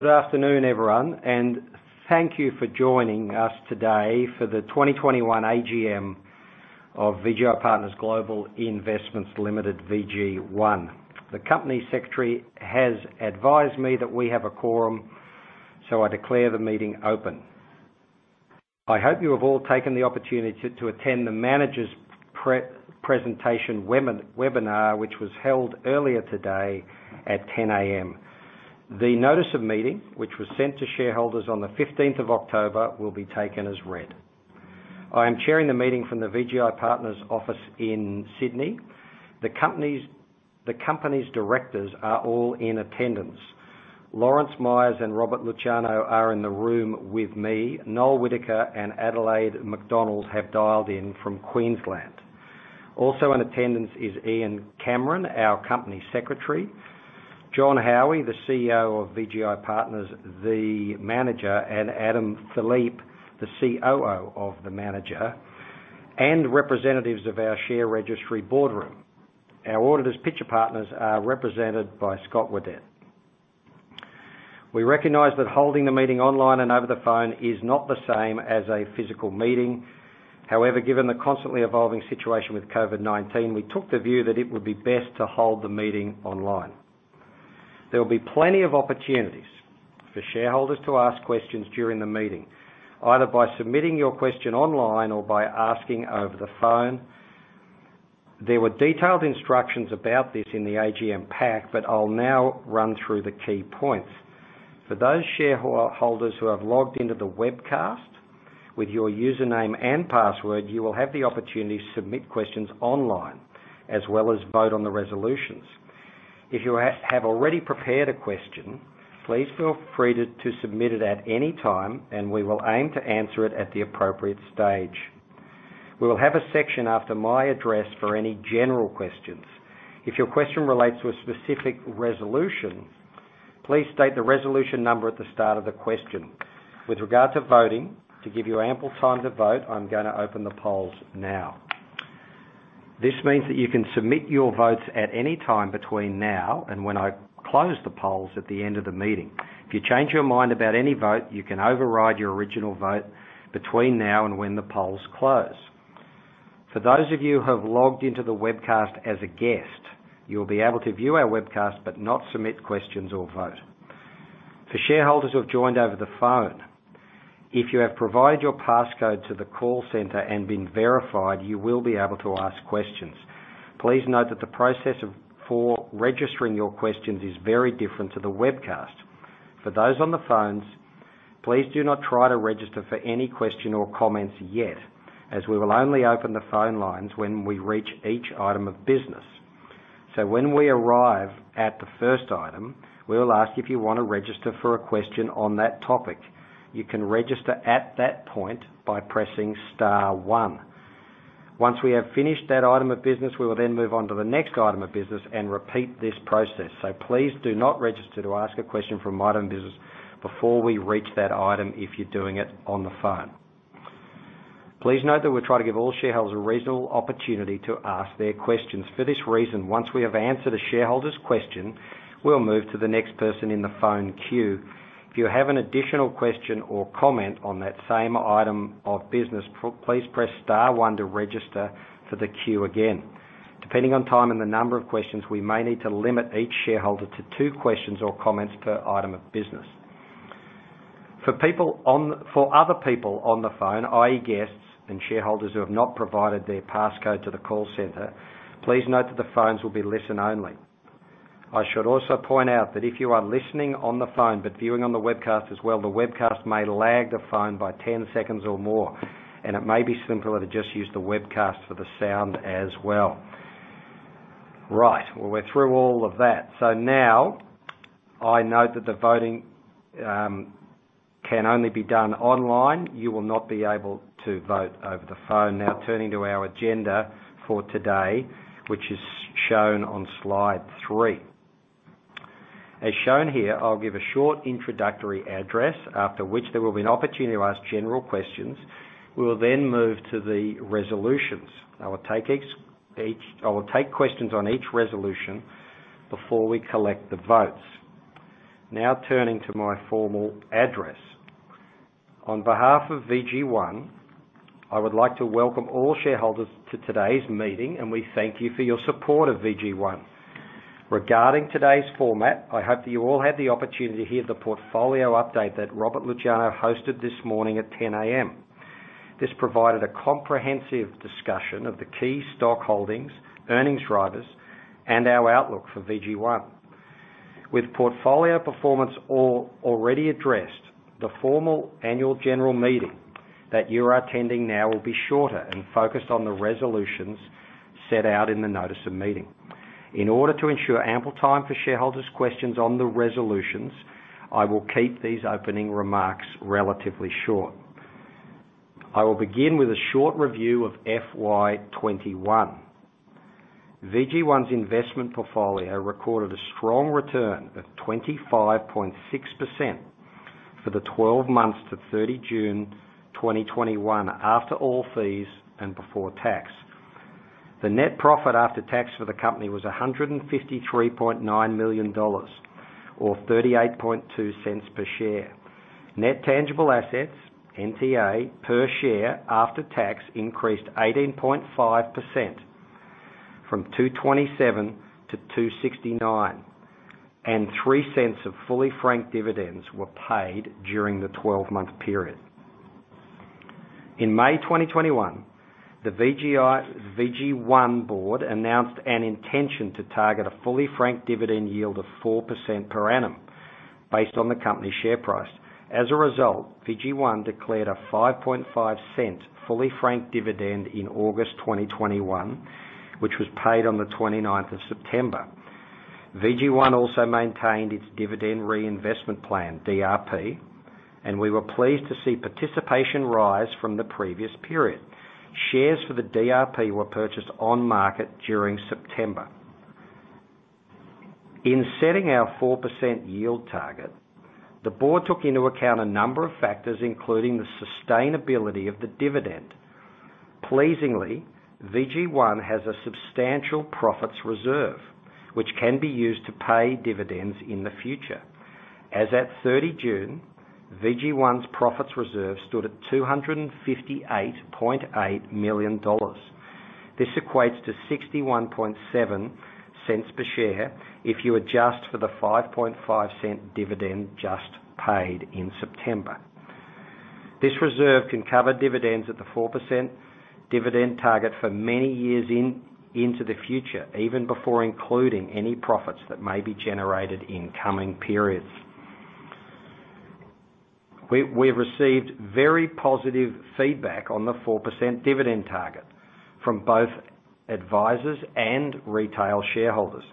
Good afternoon, everyone, and thank you for joining us today for the 2021 AGM of VGI Partners Global Investments Limited, VG1. The Company Secretary has advised me that we have a quorum, so I declare the meeting open. I hope you have all taken the opportunity to attend the manager's pre-presentation webinar, which was held earlier today at 10:00 AM. The notice of meeting, which was sent to shareholders on the fifteenth of October, will be taken as read. I am chairing the meeting from the VGI Partners' office in Sydney. The company's directors are all in attendance. Lawrence Myers and Robert Luciano are in the room with me. Noel Whittaker and Adelaide McDonald have dialed in from Queensland. Also in attendance is Ian Cameron, our Company Secretary. Jonathan Howie, the CEO of VGI Partners, the manager, and Adam Philippe, the COO of the manager, and representatives of our share registry Boardroom. Our auditors, Pitcher Partners, are represented by Scott Whiddett. We recognize that holding the meeting online and over the phone is not the same as a physical meeting. However, given the constantly evolving situation with COVID-19, we took the view that it would be best to hold the meeting online. There will be plenty of opportunities for shareholders to ask questions during the meeting, either by submitting your question online or by asking over the phone. There were detailed instructions about this in the AGM pack, but I'll now run through the key points. For those shareholders who have logged into the webcast with your username and password, you will have the opportunity to submit questions online as well as vote on the resolutions. If you have already prepared a question, please feel free to submit it at any time, and we will aim to answer it at the appropriate stage. We will have a section after my address for any general questions. If your question relates to a specific resolution, please state the resolution number at the start of the question. With regard to voting, to give you ample time to vote, I'm gonna open the polls now. This means that you can submit your votes at any time between now and when I close the polls at the end of the meeting. If you change your mind about any vote, you can override your original vote between now and when the polls close. For those of you who have logged into the webcast as a guest, you'll be able to view our webcast but not submit questions or vote. For shareholders who have joined over the phone, if you have provided your passcode to the call center and been verified, you will be able to ask questions. Please note that the process for registering your questions is very different to the webcast. For those on the phones, please do not try to register for any question or comments yet, as we will only open the phone lines when we reach each item of business. When we arrive at the first item, we'll ask if you wanna register for a question on that topic. You can register at that point by pressing star one. Once we have finished that item of business, we will then move on to the next item of business and repeat this process. Please do not register to ask a question from an item of business before we reach that item if you're doing it on the phone. Please note that we try to give all shareholders a reasonable opportunity to ask their questions. For this reason, once we have answered a shareholder's question, we'll move to the next person in the phone queue. If you have an additional question or comment on that same item of business, please press star one to register for the queue again. Depending on time and the number of questions, we may need to limit each shareholder to two questions or comments per item of business. For other people on the phone, i.e., guests and shareholders who have not provided their passcode to the call center, please note that the phones will be listen only. I should also point out that if you are listening on the phone but viewing on the webcast as well, the webcast may lag the phone by 10 seconds or more, and it may be simpler to just use the webcast for the sound as well. Right, well, we're through all of that. Now I note that the voting can only be done online. You will not be able to vote over the phone. Now turning to our agenda for today, which is shown on slide three. As shown here, I'll give a short introductory address, after which there will be an opportunity to ask general questions. We will then move to the resolutions. I will take questions on each resolution before we collect the votes. Now turning to my formal address. On behalf of VG1, I would like to welcome all shareholders to today's meeting, and we thank you for your support of VG1. Regarding today's format, I hope that you all had the opportunity to hear the portfolio update that Robert Luciano hosted this morning at 10:00 AM. This provided a comprehensive discussion of the key stock holdings, earnings drivers, and our outlook for VG1. With portfolio performance already addressed, the formal annual general meeting that you are attending now will be shorter and focused on the resolutions set out in the notice of meeting. In order to ensure ample time for shareholders' questions on the resolutions, I will keep these opening remarks relatively short. I will begin with a short review of FY 2021. VG1's investment portfolio recorded a strong return of 25.6% for the 12 months to 30 June 2021, after all fees and before tax. The net profit after tax for the company was 153.9 million dollars or 0.382 per share. Net tangible assets, NTA per share after tax increased 18.5% from 2.27 to 2.69, and 0.03 of fully franked dividends were paid during the 12-month period. In May 2021, the VG1 board announced an intention to target a fully franked dividend yield of 4% per annum based on the company's share price. As a result, VG1 declared a 0.055 fully franked dividend in August 2021, which was paid on the 29 September. VG1 also maintained its dividend reinvestment plan, DRP, and we were pleased to see participation rise from the previous period. Shares for the DRP were purchased on market during September. In setting our 4% yield target, the board took into account a number of factors, including the sustainability of the dividend. Pleasingly, VG1 has a substantial profits reserve, which can be used to pay dividends in the future. As at 30 June, VG1's profits reserve stood at 258.8 million dollars. This equates to 0.617 per share if you adjust for the 0.055 dividend just paid in September. This reserve can cover dividends at the 4% dividend target for many years into the future, even before including any profits that may be generated in coming periods. We received very positive feedback on the 4% dividend target from both advisors and retail shareholders,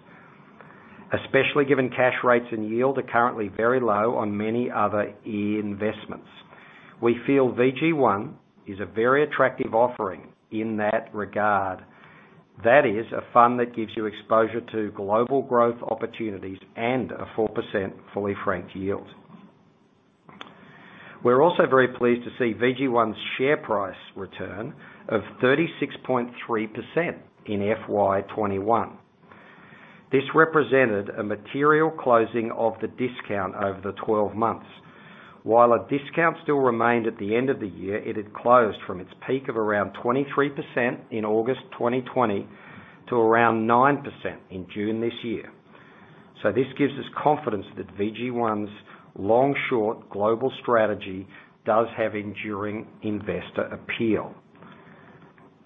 especially given cash rates and yield are currently very low on many other investments. We feel VG1 is a very attractive offering in that regard. That is a fund that gives you exposure to global growth opportunities and a 4% fully franked yield. We're also very pleased to see VG1's share price return of 36.3% in FY 2021. This represented a material closing of the discount over the twelve months. While a discount still remained at the end of the year, it had closed from its peak of around 23% in August 2020 to around 9% in June this year. This gives us confidence that VG1's long short global strategy does have enduring investor appeal.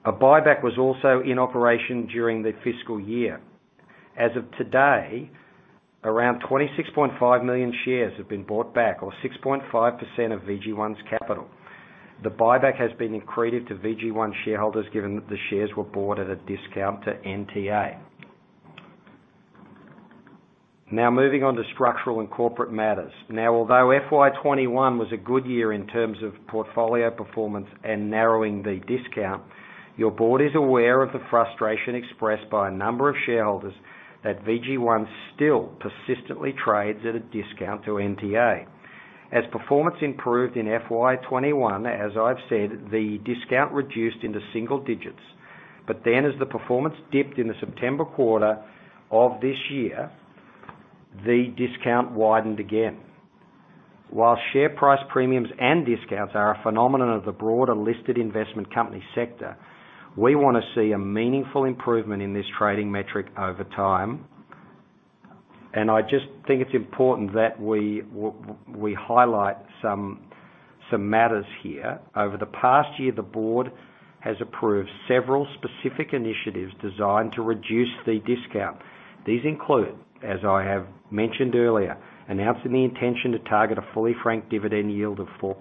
A buyback was also in operation during the fiscal year. As of today, around 26.5 million shares have been bought back or 6.5% of VG1's capital. The buyback has been accretive to VG1 shareholders, given that the shares were bought at a discount to NTA. Now, moving on to structural and corporate matters. Now, although FY 2021 was a good year in terms of portfolio performance and narrowing the discount, your board is aware of the frustration expressed by a number of shareholders that VG1 still persistently trades at a discount to NTA. As performance improved in FY 2021, as I've said, the discount reduced into single digits, but then as the performance dipped in the September quarter of this year, the discount widened again. While share price premiums and discounts are a phenomenon of the broader listed investment company sector, we wanna see a meaningful improvement in this trading metric over time. I just think it's important that we highlight some matters here. Over the past year, the board has approved several specific initiatives designed to reduce the discount. These include, as I have mentioned earlier, announcing the intention to target a fully franked dividend yield of 4%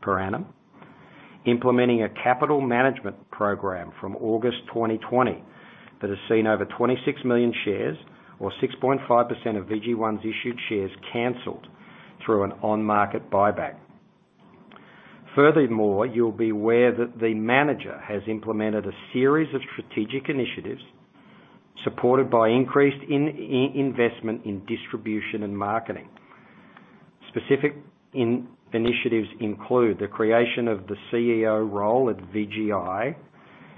per annum, implementing a capital management program from August 2020 that has seen over 26 million shares or 6.5% of VG1's issued shares canceled through an on-market buyback. Furthermore, you'll be aware that the manager has implemented a series of strategic initiatives supported by increased investment in distribution and marketing. Specific initiatives include the creation of the CEO role at VGI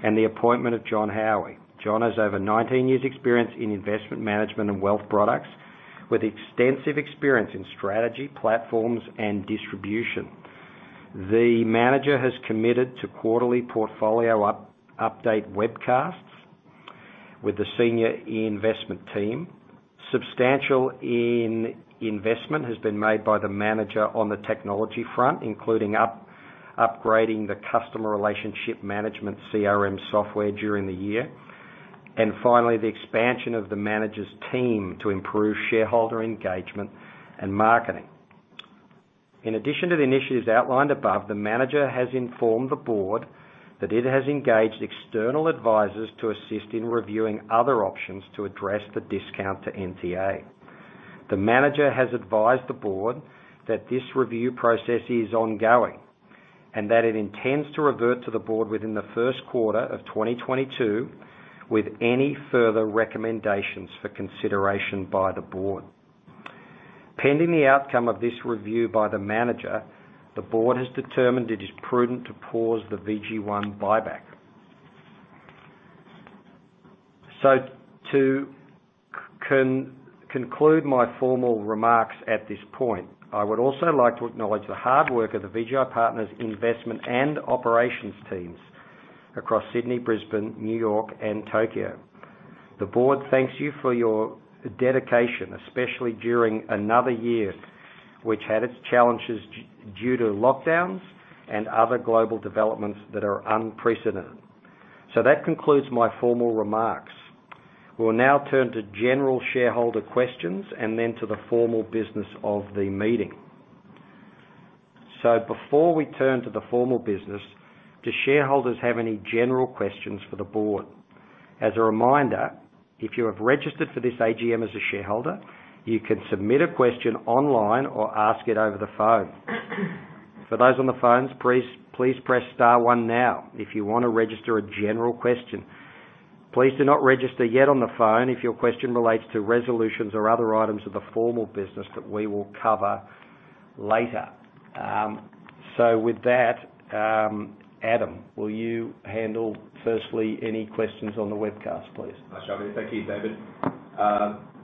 and the appointment of Jonathan Howie. John has over 19 years' experience in investment management and wealth products with extensive experience in strategy, platforms, and distribution. The manager has committed to quarterly portfolio update webcasts with the senior investment team. Substantial investment has been made by the manager on the technology front, including upgrading the customer relationship management CRM software during the year. Finally, the expansion of the manager's team to improve shareholder engagement and marketing. In addition to the initiatives outlined above, the manager has informed the board that it has engaged external advisors to assist in reviewing other options to address the discount to NTA. The manager has advised the board that this review process is ongoing and that it intends to revert to the board within the first quarter of 2022 with any further recommendations for consideration by the board. Pending the outcome of this review by the manager, the board has determined it is prudent to pause the VG1 buyback. To conclude my formal remarks at this point, I would also like to acknowledge the hard work of the VGI Partners investment and operations teams across Sydney, Brisbane, New York and Tokyo. The Board thanks you for your dedication, especially during another year, which had its challenges due to lockdowns and other global developments that are unprecedented. That concludes my formal remarks. We will now turn to general shareholder questions and then to the formal business of the meeting. Before we turn to the formal business, do shareholders have any general questions for the Board? As a reminder, if you have registered for this AGM as a shareholder, you can submit a question online or ask it over the phone. For those on the phones, please press star one now if you wanna register a general question. Please do not register yet on the phone if your question relates to resolutions or other items of the formal business that we will cover later. With that, Adam, will you handle firstly any questions on the webcast, please? I shall do. Thank you, David.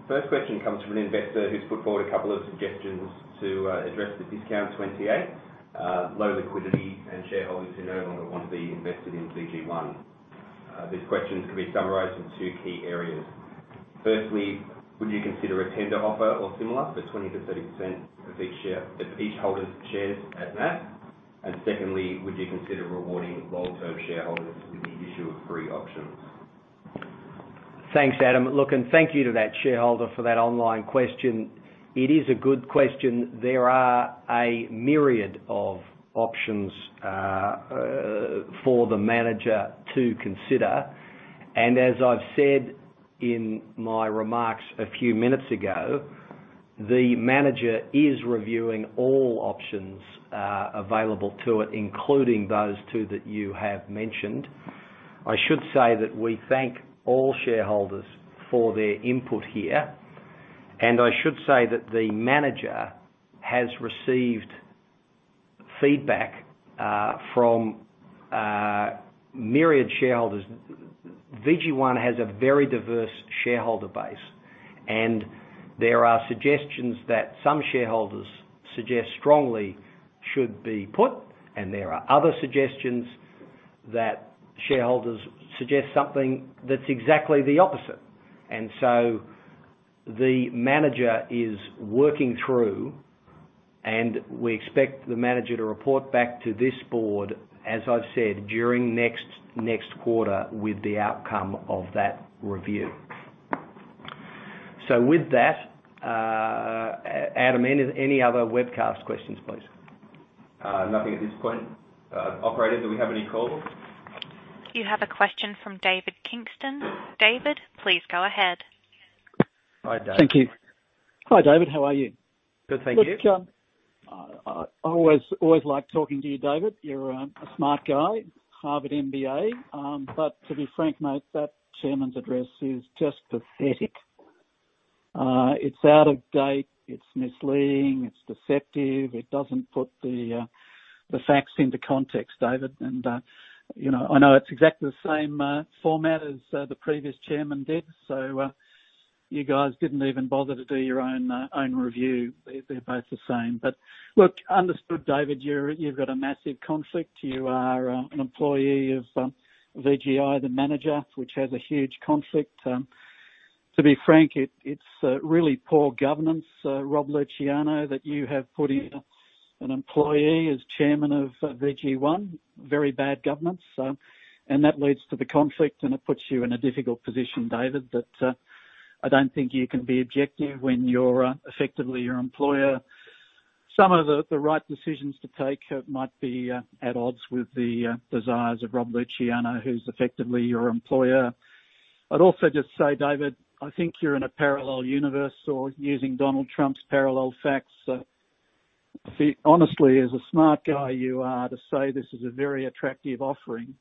First question comes from an investor who's put forward a couple of suggestions to address the 28% discount, low liquidity and shareholders who no longer want to be invested in VG1. These questions can be summarized in two key areas. Firstly, would you consider a tender offer or similar for 20%-30% of each holder's shares at NAV? Secondly, would you consider rewarding long-term shareholders with the issue of free options? Thanks, Adam. Look, thank you to that shareholder for that online question. It is a good question. There are a myriad of options for the manager to consider. As I've said in my remarks a few minutes ago, the manager is reviewing all options available to it, including those two that you have mentioned. I should say that we thank all shareholders for their input here. I should say that the manager has received feedback from myriad shareholders. VG1 has a very diverse shareholder base, and there are suggestions that some shareholders suggest strongly should be put, and there are other suggestions that shareholders suggest something that's exactly the opposite. The manager is working through, and we expect the manager to report back to this Board, as I've said, during next quarter with the outcome of that review. With that, Adam, any other webcast questions, please? Nothing at this point. Operator, do we have any calls? You have a question from David Kingston. David, please go ahead. Hi, Dave. Thank you. Hi, David. How are you? Good. Thank you. Look, I always like talking to you, David. You're a smart guy, Harvard MBA. To be frank, mate, that chairman's address is just pathetic. It's out of date, it's misleading, it's deceptive. It doesn't put the facts into context, David. You know, I know it's exactly the same format as the previous chairman did. You guys didn't even bother to do your own review. They're both the same. Look, understood, David, you've got a massive conflict. You are an employee of VGI, the manager, which has a huge conflict. To be frank, it's really poor governance, Rob Luciano, that you have put in an employee as chairman of VG1. Very bad governance. That leads to the conflict, and it puts you in a difficult position, David, that I don't think you can be objective when you're effectively your employer. Some of the right decisions to take might be at odds with the desires of Rob Luciano, who's effectively your employer. I'd also just say, David, I think you're in a parallel universe or using Donald Trump's parallel facts. See, honestly, as a smart guy you are to say this is a very attractive offering.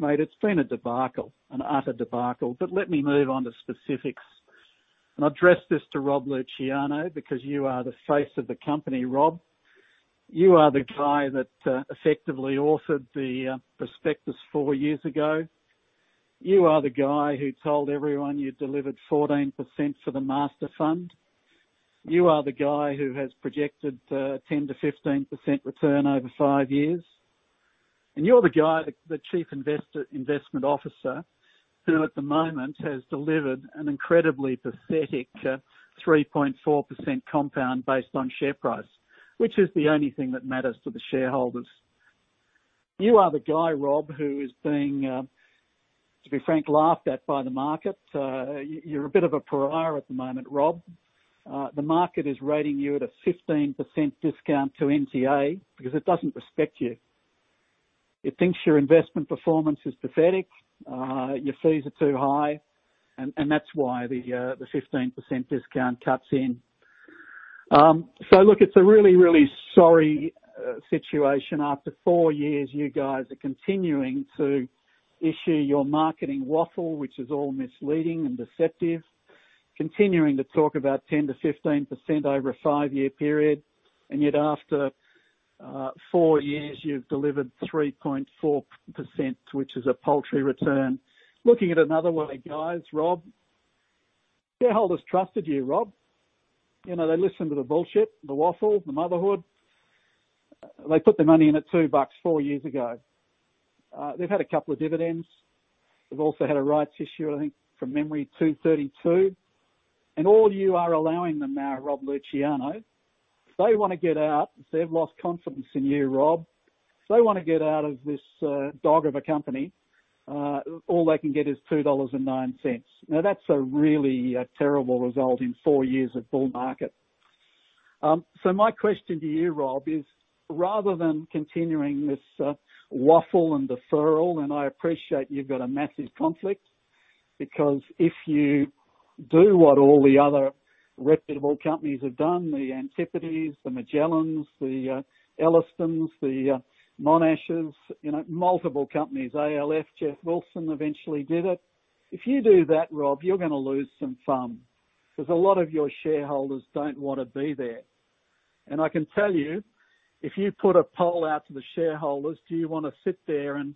Mate, it's been a debacle, an utter debacle. Let me move on to specifics. I'll address this to Rob Luciano because you are the face of the company, Rob. You are the guy that effectively authored the prospectus four years ago. You are the guy who told everyone you delivered 14% for the master fund. You are the guy who has projected 10%-15% return over 5 years. You're the guy, the Chief Investment Officer, who at the moment has delivered an incredibly pathetic 3.4% compound based on share price, which is the only thing that matters to the shareholders. You are the guy, Rob, who is being, to be frank, laughed at by the market. You're a bit of a pariah at the moment, Rob. The market is rating you at a 15% discount to NTA because it doesn't respect you. It thinks your investment performance is pathetic, your fees are too high, and that's why the 15% discount cuts in. Look, it's a really sorry situation. After four years, you guys are continuing to issue your marketing waffle, which is all misleading and deceptive, continuing to talk about 10%-15% over a five-year period, and yet after four years, you've delivered 3.4%, which is a paltry return. Looking at it another way, guys, Rob, shareholders trusted you, Rob. You know, they listened to the bullshit, the waffle, the motherhood. They put their money in at 2 bucks four years ago. They've had a couple of dividends. They've also had a rights issue, I think from memory, 2.32. And all you are allowing them now, Rob Luciano, if they wanna get out, if they've lost confidence in you, Rob, if they wanna get out of this dog of a company, all they can get is 2.09 dollars. Now, that's a really terrible result in four years of bull market. My question to you, Rob, is rather than continuing this waffle and deferral, and I appreciate you've got a massive conflict because if you do what all the other reputable companies have done, the Antipodes, the Magellan's, the Ellerston's, the Monash's, you know, multiple companies, WAM, Geoff Wilson eventually did it. If you do that, Rob, you're gonna lose some funds because a lot of your shareholders don't wanna be there. I can tell you, if you put a poll out to the shareholders, do you wanna sit there and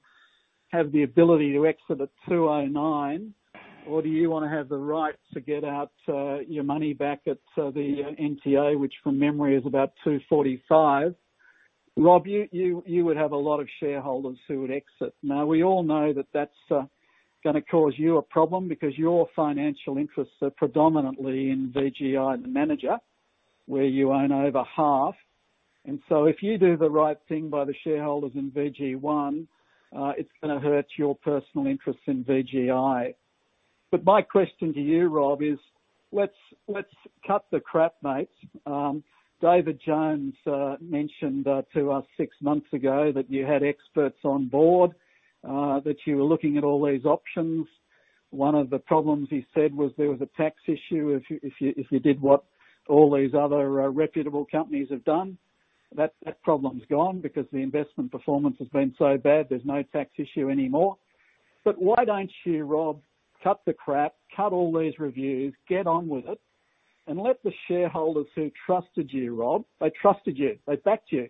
have the ability to exit at 2.09, or do you wanna have the right to get out your money back at the NTA, which from memory is about 2.45? Rob, you would have a lot of shareholders who would exit. Now, we all know that that's gonna cause you a problem because your financial interests are predominantly in VGI, the manager, where you own over half. If you do the right thing by the shareholders in VG1, it's gonna hurt your personal interest in VGI. My question to you, Rob, is let's cut the crap, mate. David Jones mentioned to us six months ago that you had experts on board that you were looking at all these options. One of the problems he said was there was a tax issue if you did what all these other reputable companies have done. That problem's gone because the investment performance has been so bad, there's no tax issue anymore. Why don't you, Rob, cut the crap, cut all these reviews, get on with it, and let the shareholders who trusted you, Rob. They trusted you. They backed you.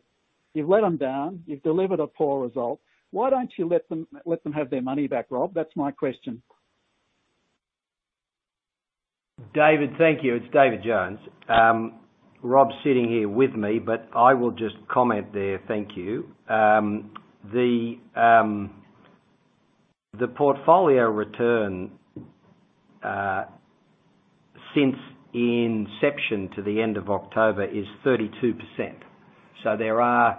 You've let them down. You've delivered a poor result. Why don't you let them have their money back, Rob? That's my question. David, thank you. It's David Jones. Rob's sitting here with me, but I will just comment there. Thank you. The portfolio return since inception to the end of October is 32%. There are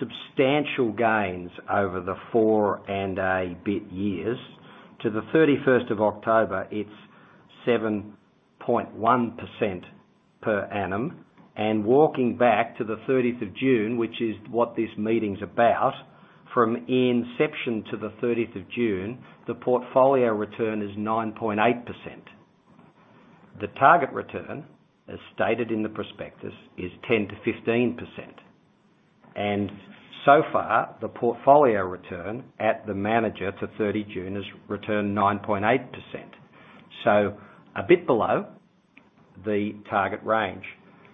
substantial gains over the four and a bit years. To the 31 October, it's 7.1% per annum. Walking back to the 30 June, which is what this meeting's about, from inception to the 30 June, the portfolio return is 9.8%. The target return, as stated in the prospectus, is 10%-15%. Far, the portfolio return at the manager to 30 June has returned 9.8%. A bit below the target range.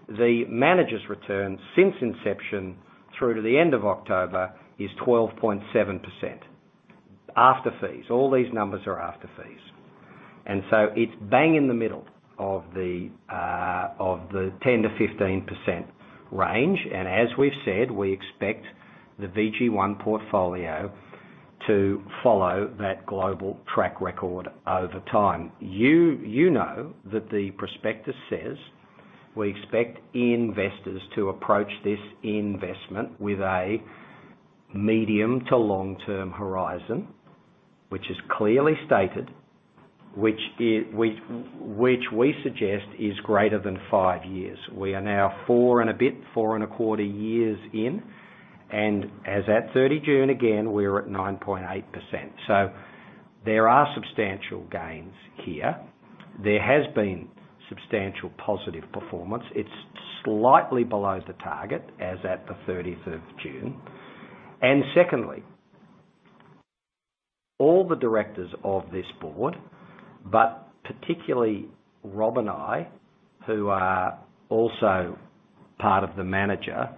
The manager's return since inception through to the end of October is 12.7% after fees. All these numbers are after fees. It's bang in the middle of the 10%-15% range. As we've said, we expect the VG1 portfolio to follow that global track record over time. You know that the prospectus says, we expect investors to approach this investment with a medium- to long-term horizon, which is clearly stated, which we suggest is greater than five years. We are now four and a bit, four and a quarter years in, and as at 30 June, again, we're at 9.8%. There are substantial gains here. There has been substantial positive performance. It's slightly below the target as at the 30 June. Secondly, all the Directors of this Board, but particularly Rob and I, who are also part of the manager,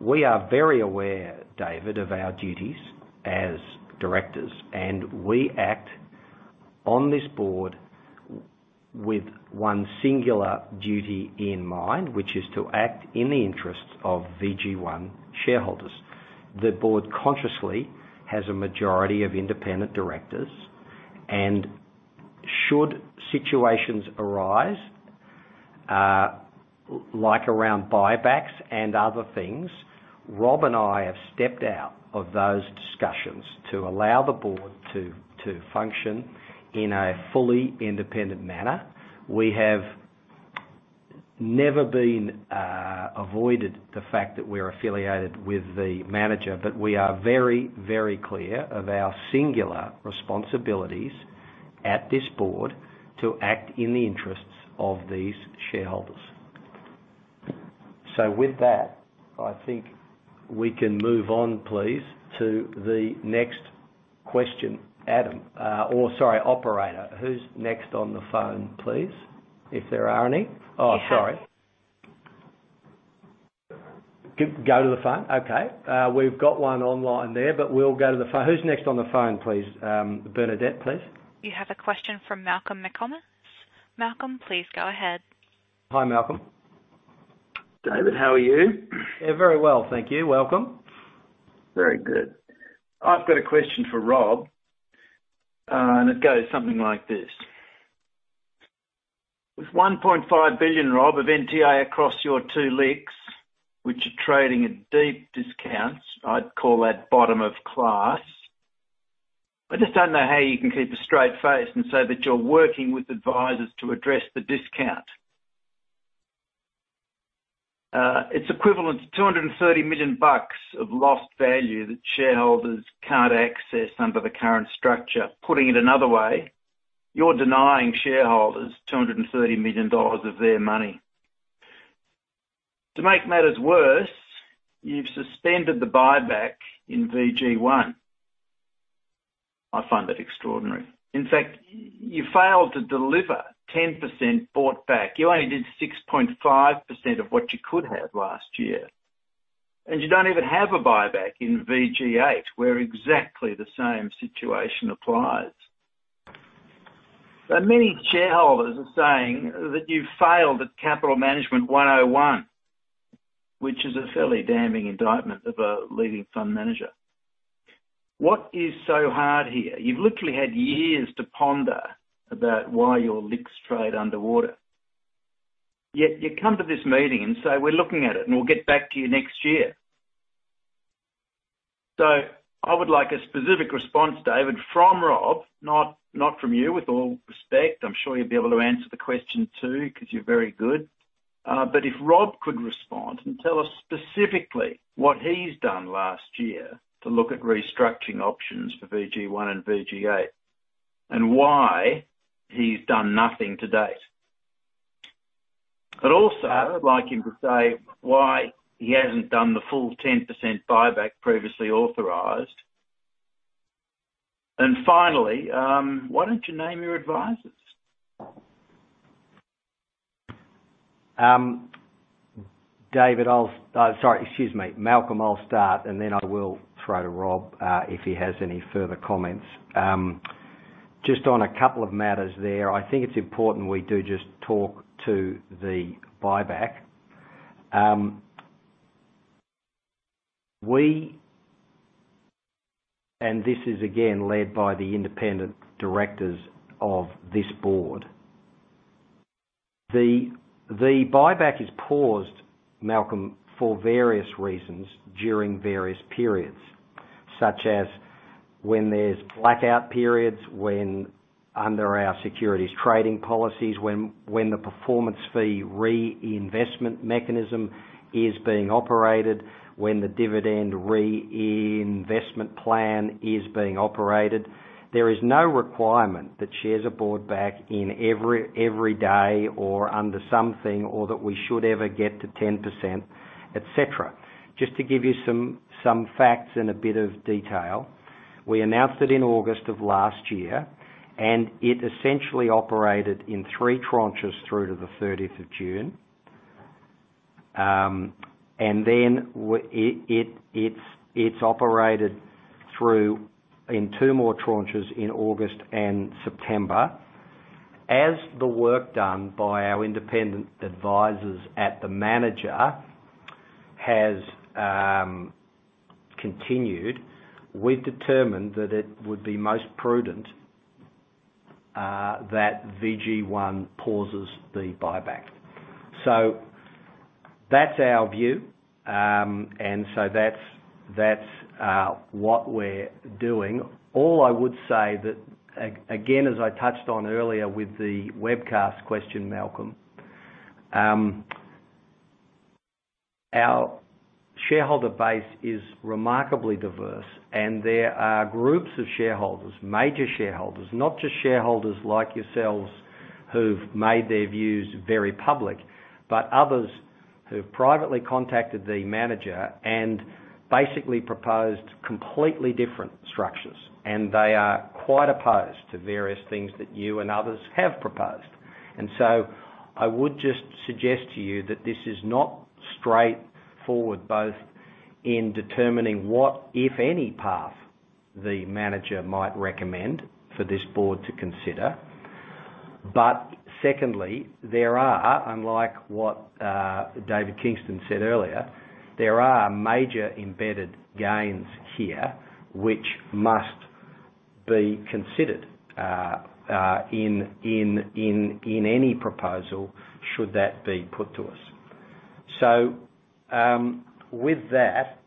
we are very aware, David, of our duties as Directors, and we act on this board with one singular duty in mind, which is to act in the interests of VG1 shareholders. The Board consciously has a majority of independent directors, and should situations arise, like around buybacks and other things, Rob and I have stepped out of those discussions to allow the Board to function in a fully independent manner. We have never avoided the fact that we're affiliated with the manager, but we are very, very clear of our singular responsibilities at this Board to act in the interests of these shareholders. With that, I think we can move on please, to the next question. Sorry, operator, who's next on the phone, please? If there are any. Oh, sorry. Go to the phone. Okay. We've got one online there, but we'll go to the phone. Who's next on the phone, please? Bernadette, please. You have a question from Malcolm McComas. Malcolm, please go ahead. Hi, Malcolm. David, how are you? Yeah, very well, thank you. Welcome. Very good. I've got a question for Rob, and it goes something like this: With 1.5 billion, Rob, of NTA across your two LICs, which are trading at deep discounts, I'd call that bottom of class. I just don't know how you can keep a straight face and say that you're working with advisors to address the discount. It's equivalent to 230 million bucks of lost value that shareholders can't access under the current structure. Putting it another way, you're denying shareholders 230 million dollars of their money. To make matters worse, you've suspended the buyback in VG1. I find that extraordinary. In fact, you failed to deliver 10% bought back. You only did 6.5% of what you could have last year, and you don't even have a buyback in VG8, where exactly the same situation applies. Many shareholders are saying that you failed at Capital Management 101, which is a fairly damning indictment of a leading fund manager. What is so hard here? You've literally had years to ponder about why your LICs trade underwater. Yet you come to this meeting and say, "We're looking at it, and we'll get back to you next year." I would like a specific response, David, from Rob, not from you, with all respect. I'm sure you'll be able to answer the question, too, because you're very good. If Rob could respond and tell us specifically what he's done last year to look at restructuring options for VG1 and VG8 and why he's done nothing to date. Also, I'd like him to say why he hasn't done the full 10% buyback previously authorized. Finally, why don't you name your advisors? David, sorry. Excuse me, Malcolm, I'll start, and then I will throw to Rob if he has any further comments. Just on a couple of matters there, I think it's important we do just talk to the buyback. This is again led by the independent Directors of this Board. The buyback is paused, Malcolm, for various reasons during various periods, such as when there's blackout periods, when under our securities trading policies, when the performance fee reinvestment mechanism is being operated, when the dividend reinvestment plan is being operated. There is no requirement that shares are bought back every day or under something or that we should ever get to 10%, etc. Just to give you some facts and a bit of detail, we announced it in August of last year, and it essentially operated in three tranches through to the 30 June. It operated through in two more tranches in August and September. As the work done by our independent advisors at the manager has continued, we've determined that it would be most prudent that VG1 pauses the buyback. That's our view, and that's what we're doing. All I would say that again, as I touched on earlier with the webcast question, Malcolm, our shareholder base is remarkably diverse and there are groups of shareholders, major shareholders, not just shareholders like yourselves who've made their views very public, but others who've privately contacted the manager and basically proposed completely different structures. They are quite opposed to various things that you and others have proposed. I would just suggest to you that this is not straightforward, both in determining what, if any, path the manager might recommend for this board to consider. Secondly, there are, unlike what David Kingston said earlier, major embedded gains here which must be considered in any proposal should that be put to us. With that,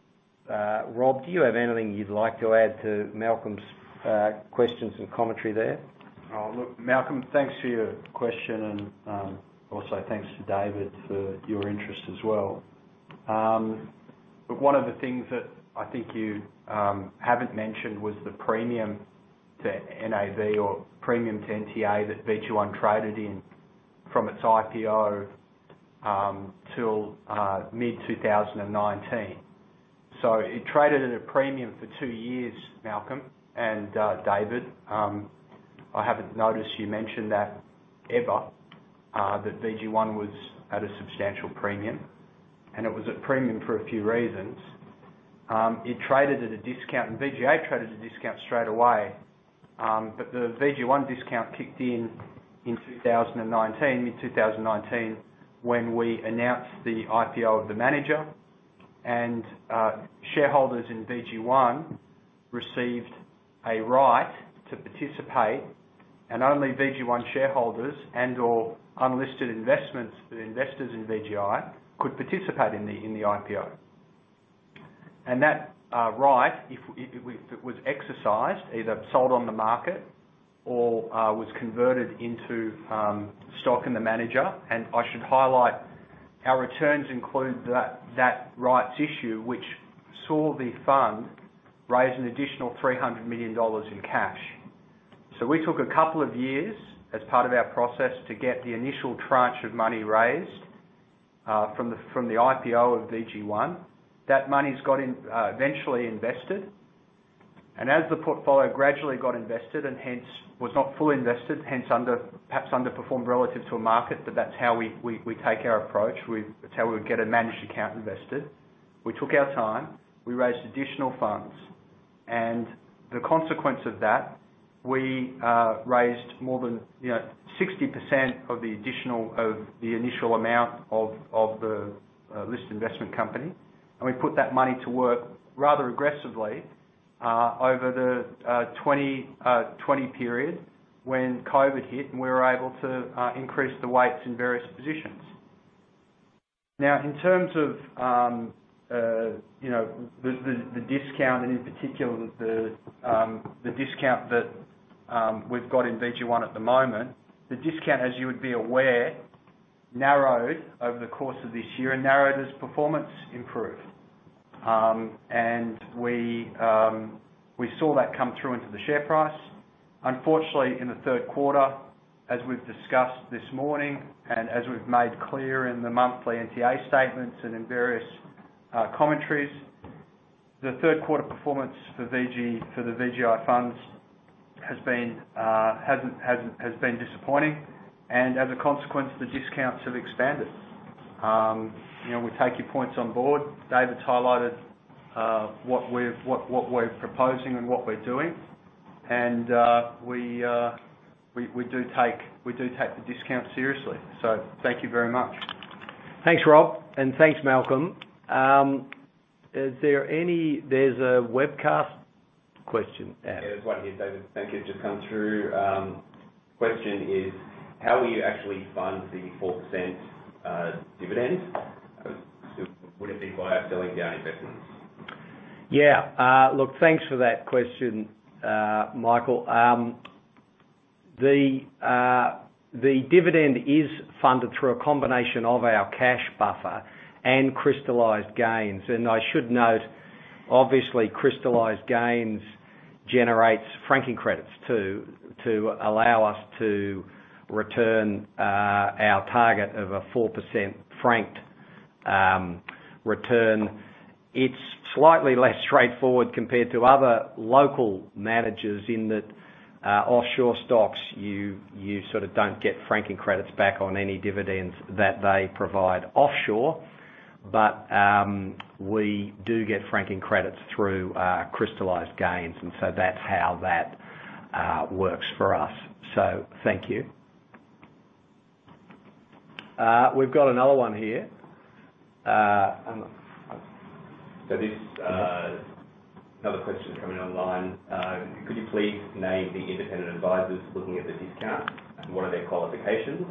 Rob, do you have anything you'd like to add to Malcolm's questions and commentary there? Oh, look, Malcolm, thanks for your question and, also thanks to David for your interest as well. One of the things that I think you haven't mentioned was the premium to NAV or premium to NTA that VG1 traded in from its IPO till mid-2019. It traded at a premium for two years, Malcolm and David. I haven't noticed you mentioned that ever that VG1 was at a substantial premium, and it was at premium for a few reasons. It traded at a discount, and VG8 traded at a discount straightaway. The VG1 discount kicked in in 2019, mid-2019 when we announced the IPO of the manager and shareholders in VG1 received a right to participate, and only VG1 shareholders and/or unlisted investments for the investors in VGI could participate in the IPO. That, right, if it, if it was exercised, either sold on the market or, was converted into, stock in the manager. I should highlight, our returns include that rights issue, which saw the fund raise an additional 300 million dollars in cash. We took a couple of years as part of our process to get the initial tranche of money raised, from the IPO of VG1. That money's got in, eventually invested. As the portfolio gradually got invested and hence was not fully invested, hence underperformed relative to a market, but that's how we take our approach. That's how we would get a managed account invested. We took our time, we raised additional funds. The consequence of that, we raised more than, you know, 60% of the initial amount of the listed investment company. We put that money to work rather aggressively over the 2020 period when COVID hit, and we were able to increase the weights in various positions. Now, in terms of you know, the discount and in particular the discount that we've got in VG1 at the moment, the discount, as you would be aware, narrowed over the course of this year and narrowed as performance improved. We saw that come through into the share price. Unfortunately, in the third quarter, as we've discussed this morning and as we've made clear in the monthly NTA statements and in various commentaries, the third quarter performance for VG, for the VGI funds has been disappointing. As a consequence, the discounts have expanded. You know, we take your points on Board. David's highlighted what we're proposing and what we're doing. We do take the discount seriously. Thank you very much. Thanks, Rob, and thanks, Malcolm. There's a webcast question. Yeah, there's one here, David. Thank you. Just come through. Question is, how will you actually fund the 4% dividend? Would it be via selling down investments? Yeah. Look, thanks for that question, Michael. The dividend is funded through a combination of our cash buffer and crystallized gains. I should note, obviously, crystallized gains generates franking credits to allow us to return our target of a 4% franked return. It's slightly less straightforward compared to other local managers in that offshore stocks, you sort of don't get franking credits back on any dividends that they provide offshore. We do get franking credits through crystallized gains, and so that's how that works for us. Thank you. We've got another one here. I'm- There's another question coming online. Could you please name the independent advisors looking at the discount? What are their qualifications?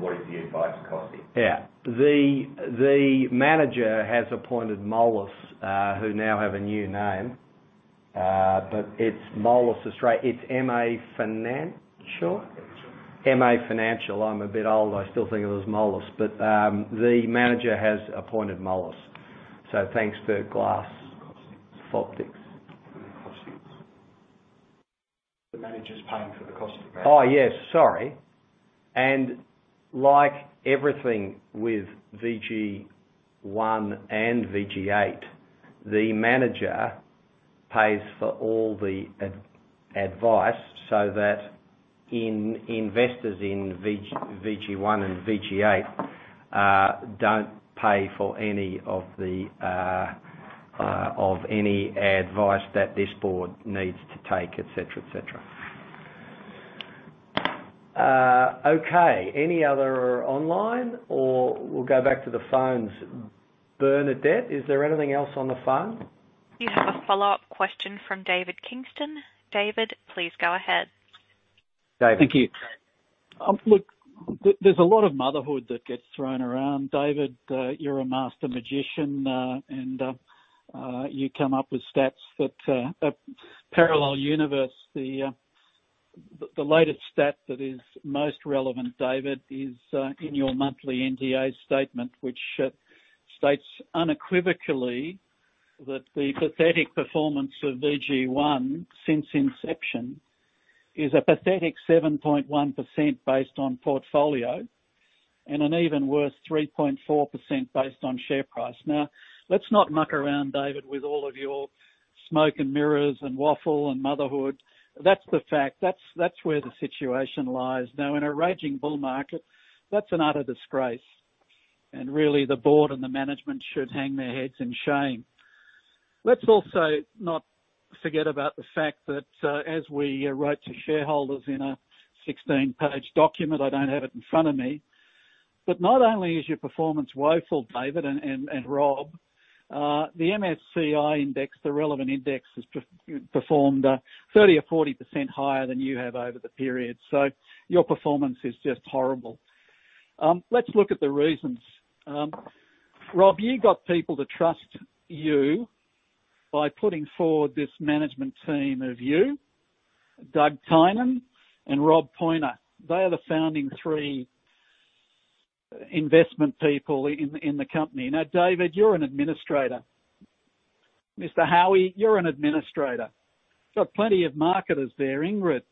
What is the advice costing? Yeah. The manager has appointed Moelis, who now have a new name, but it's MA Financial? MA Financial. MA Financial. I'm a bit old. I still think of it as Moelis. The manager has appointed Moelis. Thanks for glass- Costings. -optics. Costings. The manager's paying for the cost of the bank. Oh, yes. Sorry. Like everything with VG1 and VG8, the manager pays for all the advice so that investors in VG1 and VG8 don't pay for any of the advice that this board needs to take, et cetera, et cetera. Okay. Any other online, or we'll go back to the phones. Bernadette, is there anything else on the phone? You have a follow-up question from David Kingston. David, please go ahead. David. Thank you. Look, there's a lot of motherhood that gets thrown around. David, you're a master magician, and you come up with stats that parallel universe. The latest stat that is most relevant, David, is in your monthly NTA statement, which states unequivocally that the pathetic performance of VG1 since inception is a pathetic 7.1% based on portfolio and an even worse 3.4% based on share price. Now, let's not muck around, David, with all of your smoke and mirrors and waffle and motherhood. That's the fact. That's where the situation lies. Now, in a raging bull market, that's an utter disgrace. Really the Board and the management should hang their heads in shame. Let's also not forget about the fact that, as we wrote to shareholders in a 16-page document, I don't have it in front of me, but not only is your performance woeful, David and Rob, the MSCI index, the relevant index, has performed 30% or 40% higher than you have over the period. Your performance is just horrible. Let's look at the reasons. Rob, you got people to trust you by putting forward this management team of you, Doug Tynan, and Rob Poyner. They are the founding three investment people in the company. Now, David, you're an administrator. Mr. Howie, you're an administrator. You've got plenty of marketers there, Ingrid.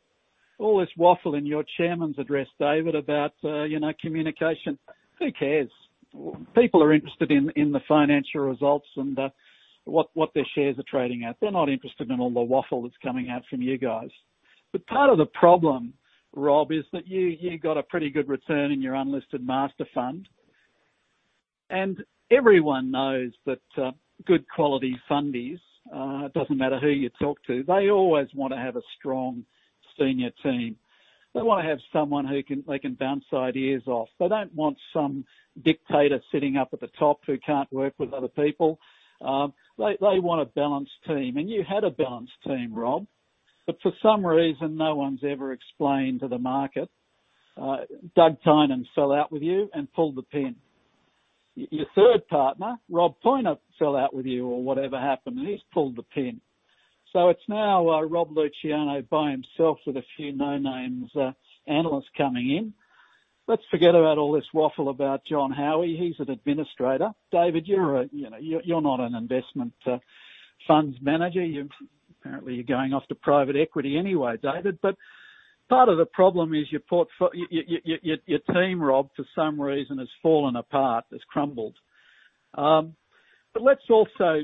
All this waffle in your chairman's address, David, about, you know, communication. Who cares? People are interested in the financial results and what their shares are trading at. They're not interested in all the waffle that's coming out from you guys. Part of the problem, Rob, is that you got a pretty good return in your unlisted master fund. Everyone knows that good quality fundies, it doesn't matter who you talk to, they always wanna have a strong senior team. They wanna have someone they can bounce ideas off. They don't want some dictator sitting up at the top who can't work with other people. They want a balanced team, and you had a balanced team, Rob. For some reason no one's ever explained to the market, Doug Tynan fell out with you and pulled the pin. Your third partner, Rob Poyner, fell out with you or whatever happened, and he's pulled the pin. It's now Rob Luciano by himself with a few no-names analysts coming in. Let's forget about all this waffle about Jonathan Howie. He's an administrator. David, you're a, you know, you're not an investment funds manager. You're apparently going off to private equity anyway, David. Part of the problem is your team, Rob, for some reason has fallen apart, has crumbled. Let's also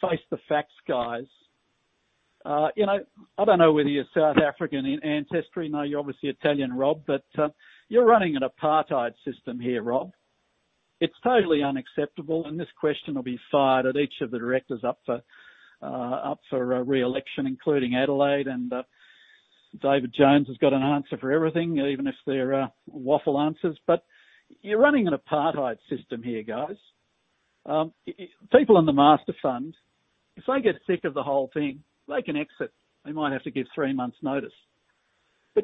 face the facts, guys. You know, I don't know whether you're South African in ancestry. No, you're obviously Italian, Rob, but you're running an Apartheid system here, Rob. It's totally unacceptable, and this question will be fired at each of the Directors up for reelection, including Adelaide. David Jones has got an answer for everything, even if they're waffle answers. You're running an Apartheid system here, guys. People in the master fund, if they get sick of the whole thing, they can exit. They might have to give three months notice.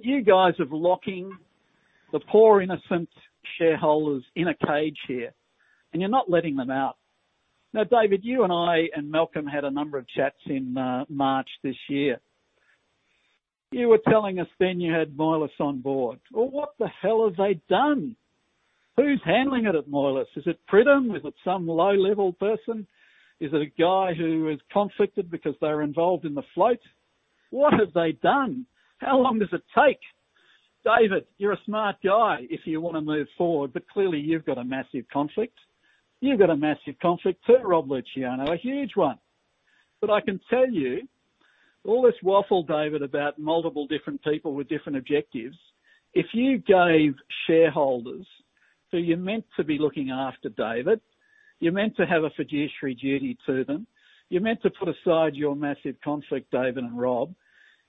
You guys are locking the poor, innocent shareholders in a cage here, and you're not letting them out. Now, David, you and I and Malcolm had a number of chats in March this year. You were telling us then you had Moelis on board. Well, what the hell have they done? Who's handling it at Moelis? Is it Pridham? Is it some low-level person? Is it a guy who is conflicted because they're involved in the float? What have they done? How long does it take? David, you're a smart guy if you wanna move forward, but clearly you've got a massive conflict. You've got a massive conflict, too, Rob Luciano, a huge one. I can tell you all this waffle, David, about multiple different people with different objectives, if you gave shareholders, who you're meant to be looking after, David, you're meant to have a fiduciary duty to them, you're meant to put aside your massive conflict, David and Rob.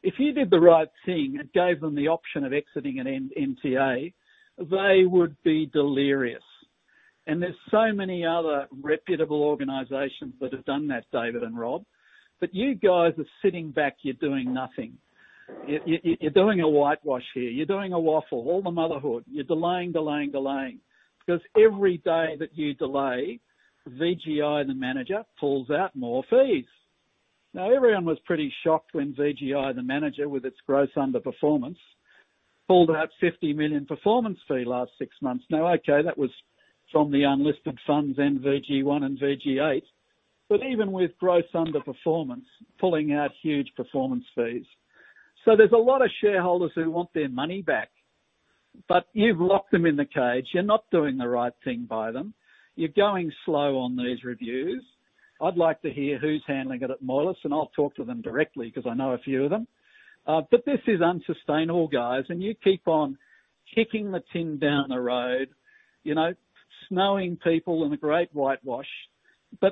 If you did the right thing and gave them the option of exiting at NTA, they would be delirious. There's so many other reputable organizations that have done that, David and Rob, but you guys are sitting back, you're doing nothing. You're doing a whitewash here. You're doing a waffle, all the motherhood. You're delaying, delaying. Because every day that you delay, VGI, the manager, pulls out more fees. Now, everyone was pretty shocked when VGI, the manager, with its gross underperformance, pulled out 50 million performance fee last six months. Now, okay, that was from the unlisted funds in VG1 and VG8. Even with gross underperformance, pulling out huge performance fees. There's a lot of shareholders who want their money back, but you've locked them in the cage. You're not doing the right thing by them. You're going slow on these reviews. I'd like to hear who's handling it at Moelis, and I'll talk to them directly because I know a few of them. This is unsustainable, guys, and you keep on kicking the can down the road, you know, snowing people in a great whitewash.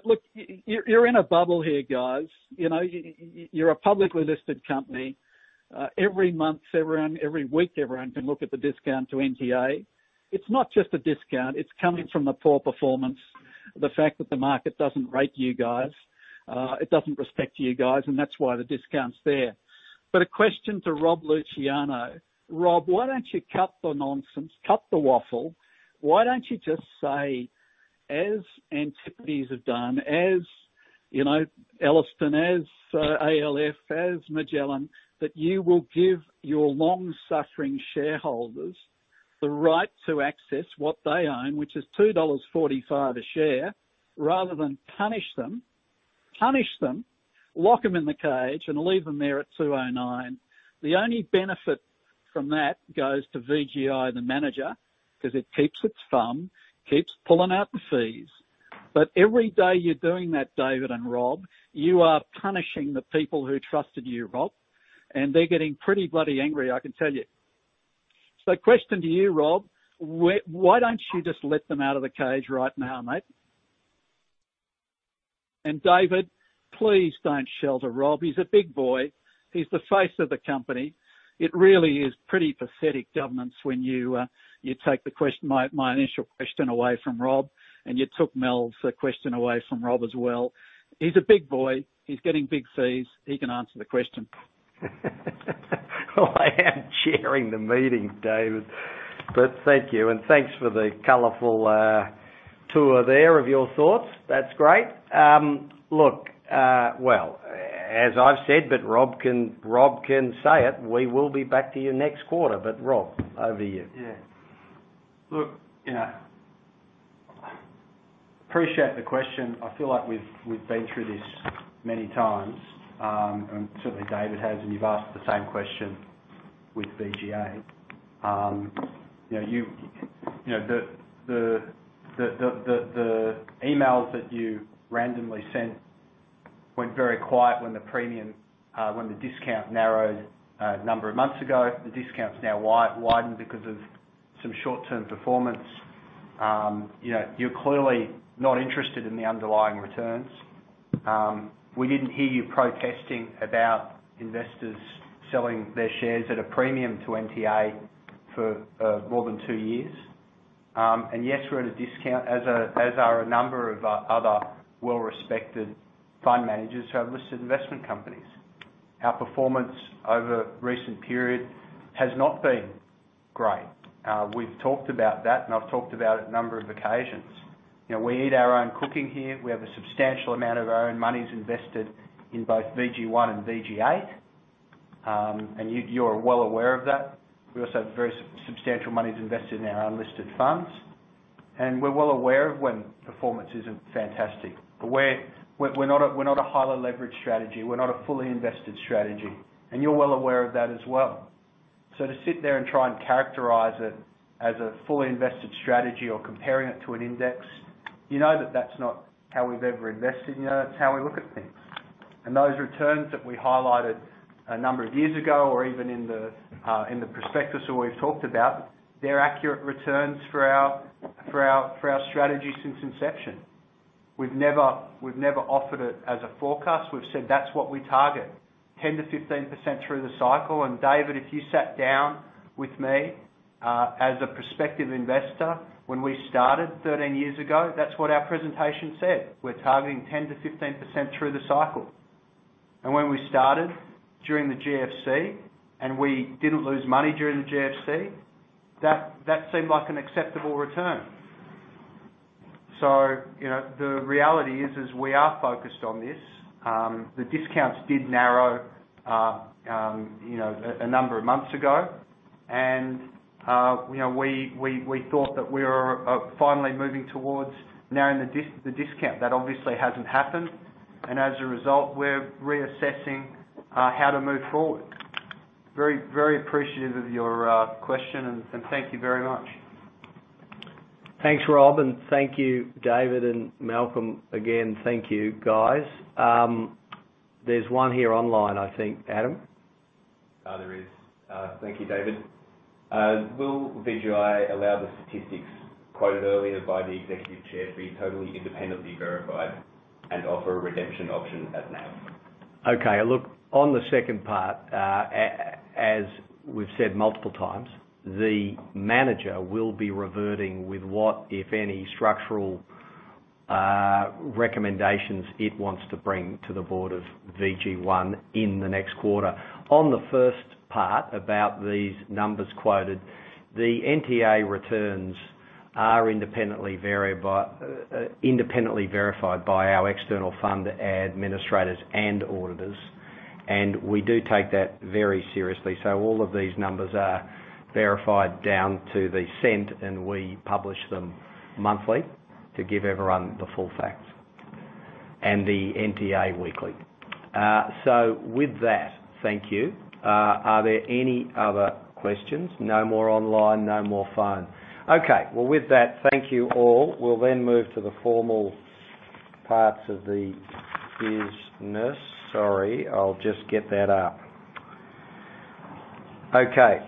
Look, you're in a bubble here, guys. You know, you're a publicly listed company. Every month, every week, everyone can look at the discount to NTA. It's not just a discount, it's coming from the poor performance, the fact that the market doesn't rate you guys, it doesn't respect you guys, and that's why the discount's there. A question to Rob Luciano. Rob, why don't you cut the nonsense, cut the waffle? Why don't you just say, as Antipodes have done, as you know, Ellerston as, ALF, as Magellan, that you will give your long-suffering shareholders the right to access what they own, which is 2.45 dollars a share, rather than punish them, lock them in the cage, and leave them there at 2.09. The only benefit from that goes to VGI, the manager, because it keeps its fund, keeps pulling out the fees. Every day you're doing that, David and Rob, you are punishing the people who trusted you, Rob, and they're getting pretty bloody angry, I can tell you. Question to you, Rob. Why don't you just let them out of the cage right now, mate? David, please don't shelter Rob. He's a big boy. He's the face of the company. It really is pretty pathetic governance when you take my initial question away from Rob, and you took Mal's question away from Rob as well. He's a big boy. He's getting big fees. He can answer the question. Well, I am chairing the meeting, David, but thank you. Thanks for the colorful tour there of your thoughts. That's great. Look, well, as I've said, but Rob can say it, we will be back to you next quarter. Rob, over to you. Yeah. Look, you know, appreciate the question. I feel like we've been through this many times, and certainly David has, and you've asked the same question with VG8. You know, the emails that you randomly sent went very quiet when the premium, when the discount narrowed a number of months ago. The discount's now widened because of some short-term performance. You know, you're clearly not interested in the underlying returns. We didn't hear you protesting about investors selling their shares at a premium to NTA for more than two years. Yes, we're at a discount as are a number of other well-respected fund managers who have listed investment companies. Our performance over recent period has not been great. We've talked about that, and I've talked about it a number of occasions. You know, we eat our own cooking here. We have a substantial amount of our own monies invested in both VG1 and VG8, and you're well aware of that. We also have very substantial monies invested in our unlisted funds, and we're well aware of when performance isn't fantastic. We're not a highly leveraged strategy. We're not a fully invested strategy, and you're well aware of that as well. To sit there and try and characterize it as a fully invested strategy or comparing it to an index, you know that that's not how we've ever invested. You know that's how we look at things. Those returns that we highlighted a number of years ago, or even in the prospectus, or we've talked about, they're accurate returns for our strategy since inception. We've never offered it as a forecast. We've said that's what we target, 10%-15% through the cycle. David, if you sat down with me as a prospective investor when we started 13 years ago, that's what our presentation said. We're targeting 10%-15% through the cycle. When we started during the GFC, and we didn't lose money during the GFC, that seemed like an acceptable return. You know, the reality is we are focused on this. The discounts did narrow, you know, a number of months ago. You know, we thought that we were finally moving towards narrowing the discount. That obviously hasn't happened. As a result, we're reassessing how to move forward. Very appreciative of your question and thank you very much. Thanks, Rob, and thank you, David and Malcolm. Again, thank you, guys. There's one here online, I think. Adam? There is. Thank you, David. Will VGI allow the statistics quoted earlier by the Executive Chair to be totally independently verified and offer a redemption option as now? Okay. Look, on the second part, as we've said multiple times, the manager will be reverting with what, if any, structural, recommendations it wants to bring to the Board of VG1 in the next quarter. On the first part about these numbers quoted, the NTA returns are independently verified by our external fund administrators and auditors, and we do take that very seriously. All of these numbers are verified down to the cent, and we publish them monthly to give everyone the full facts, and the NTA weekly. With that, thank you. Are there any other questions? No more online, no more phone. Okay. Well, with that, thank you all. We'll then move to the formal parts of the business. Sorry, I'll just get that up. Okay.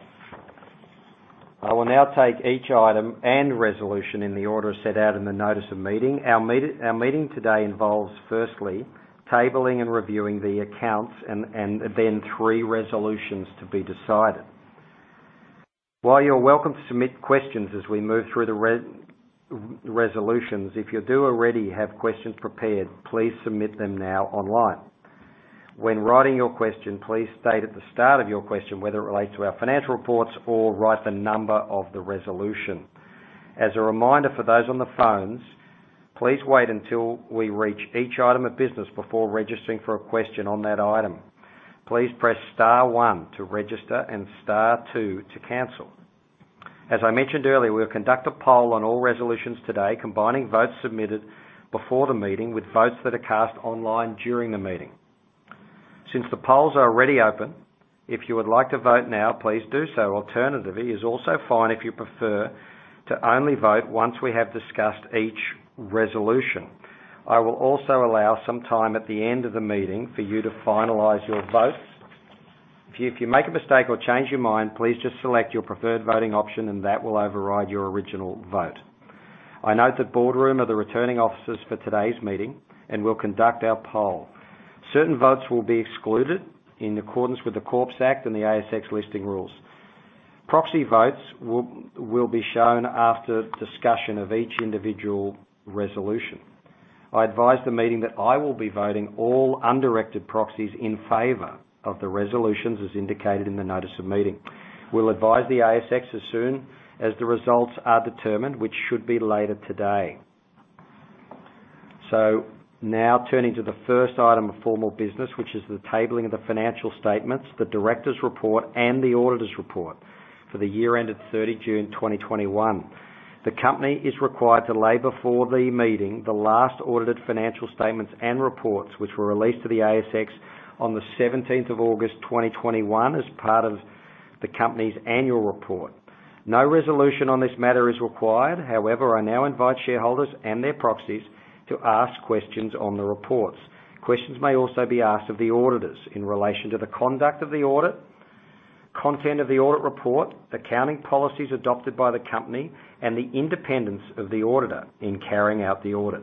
I will now take each item and resolution in the order set out in the notice of meeting. Our meeting today involves firstly, tabling and reviewing the accounts and then three resolutions to be decided. While you're welcome to submit questions as we move through the resolutions, if you do already have questions prepared, please submit them now online. When writing your question, please state at the start of your question whether it relates to our financial reports or write the number of the resolution. As a reminder for those on the phones, please wait until we reach each item of business before registering for a question on that item. Please press star one to register and star two to cancel. As I mentioned earlier, we'll conduct a poll on all resolutions today, combining votes submitted before the meeting with votes that are cast online during the meeting. Since the polls are already open, if you would like to vote now, please do so. Alternatively, it is also fine if you prefer to only vote once we have discussed each resolution. I will also allow some time at the end of the meeting for you to finalize your votes. If you make a mistake or change your mind, please just select your preferred voting option and that will override your original vote. I note that Boardroom are the returning officers for today's meeting and will conduct our poll. Certain votes will be excluded in accordance with the Corps Act and the ASX Listing Rules. Proxy votes will be shown after discussion of each individual resolution. I advise the meeting that I will be voting all undirected proxies in favor of the resolutions as indicated in the notice of meeting. We'll advise the ASX as soon as the results are determined, which should be later today. Now turning to the first item of formal business, which is the tabling of the financial statements, the director's report, and the auditor's report for the year ended 30 June 2021. The company is required to lay before the meeting the last audited financial statements and reports, which were released to the ASX on the 17 August 2021 as part of the company's annual report. No resolution on this matter is required. However, I now invite shareholders and their proxies to ask questions on the reports. Questions may also be asked of the auditors in relation to the conduct of the audit, content of the audit report, accounting policies adopted by the company, and the independence of the auditor in carrying out the audit.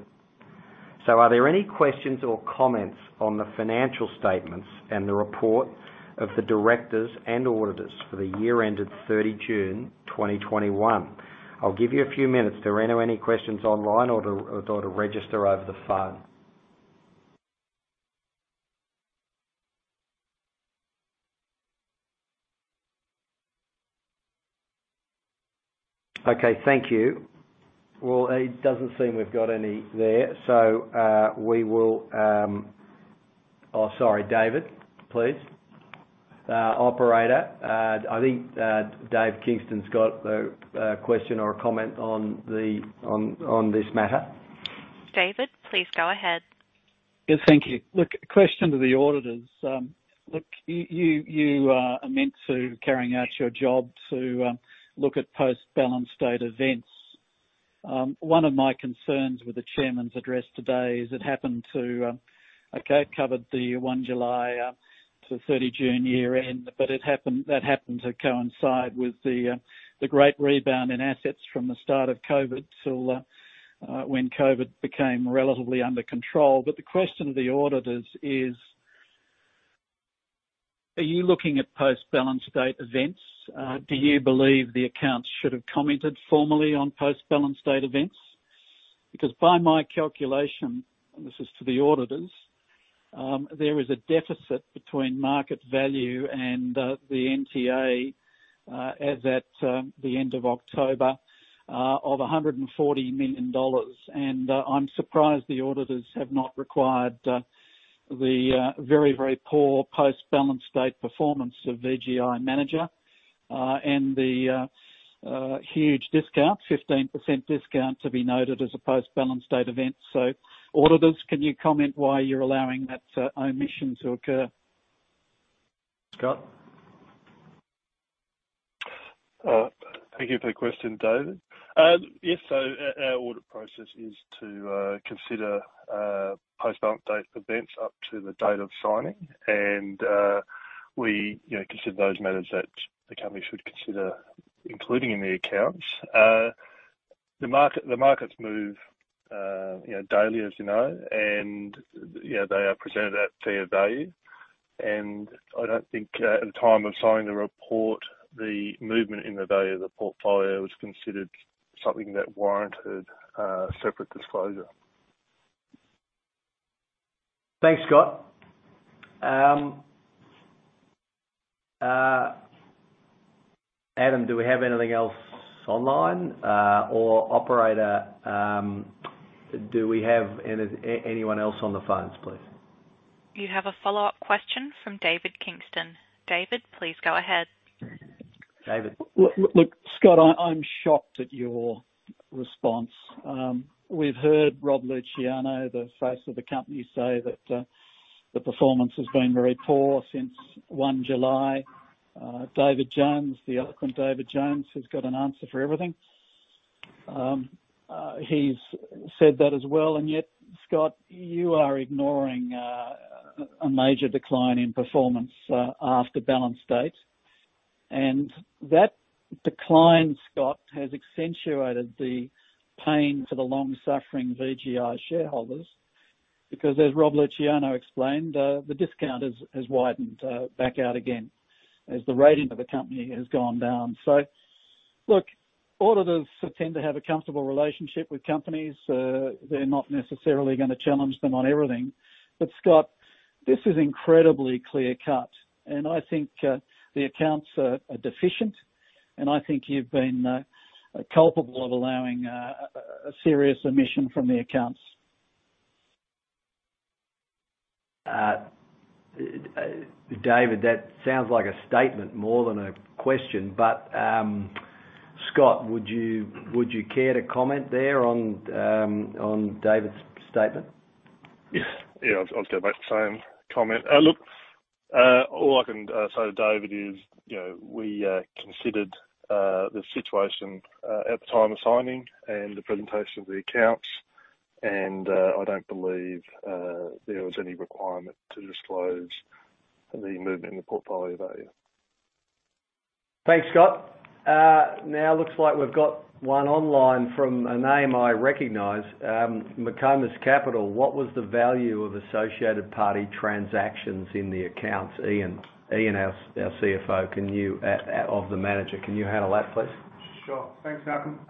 Are there any questions or comments on the financial statements and the report of the directors and auditors for the year ended 30 June 2021? I'll give you a few minutes. Are there any questions online or to register over the phone? Okay, thank you. Well, it doesn't seem we've got any there. Oh, sorry, David, please. Operator, I think David Kingston's got a question or a comment on this matter. David, please go ahead. Yes. Thank you. Look, question to the auditors. Look, you are meant to carry out your job to look at post-balance date events. One of my concerns with the chairman's address today is it covered the 1 July to 30 June year-end, but it happened to coincide with the great rebound in assets from the start of COVID till when COVID became relatively under control. The question to the auditors is, are you looking at post-balance date events? Do you believe the accounts should have commented formally on post-balance date events? Because by my calculation, and this is to the auditors, there is a deficit between market value and the NTA as at the end of October of 140 million dollars. I'm surprised the auditors have not required the very poor post-balance date performance of VGI manager and the huge discount, 15% discount to be noted as a post-balance date event. Auditors, can you comment why you're allowing that omission to occur? Scott? Thank you for the question, David. Yes. Our audit process is to consider post-balance date events up to the date of signing. We, you know, consider those matters that the company should consider, including in the accounts. The markets move, you know, daily, as you know, and, you know, they are presented at fair value. I don't think, at the time of signing the report, the movement in the value of the portfolio was considered something that warranted separate disclosure. Thanks, Scott. Adam, do we have anything else online? Or operator, do we have anyone else on the phones, please? You have a follow-up question from David Kingston. David, please go ahead. David. Look, Scott, I'm shocked at your response. We've heard Robert Luciano, the face of the company, say that the performance has been very poor since 1 July. David Jones, the eloquent David Jones, has got an answer for everything. He's said that as well, and yet, Scott, you are ignoring a major decline in performance after balance date. That decline, Scott, has accentuated the pain for the long-suffering VGI shareholders because as Robert Luciano explained, the discount has widened back out again as the rating of the company has gone down. Look, auditors tend to have a comfortable relationship with companies. They're not necessarily gonna challenge them on everything. Scott, this is incredibly clear-cut, and I think the accounts are deficient, and I think you've been culpable of allowing a serious omission from the accounts. David, that sounds like a statement more than a question. Scott, would you care to comment there on David's statement? Yes. Yeah, I'll just go back to the same comment. Look, all I can say to David is, you know, we considered the situation at the time of signing and the presentation of the accounts, and I don't believe there was any requirement to disclose the movement in the portfolio value. Thanks, Scott. Now looks like we've got one online from a name I recognize, McComas Capital. What was the value of associated party transactions in the accounts? Ian, our CFO of the manager, can you handle that, please? Sure. Thanks, Malcolm.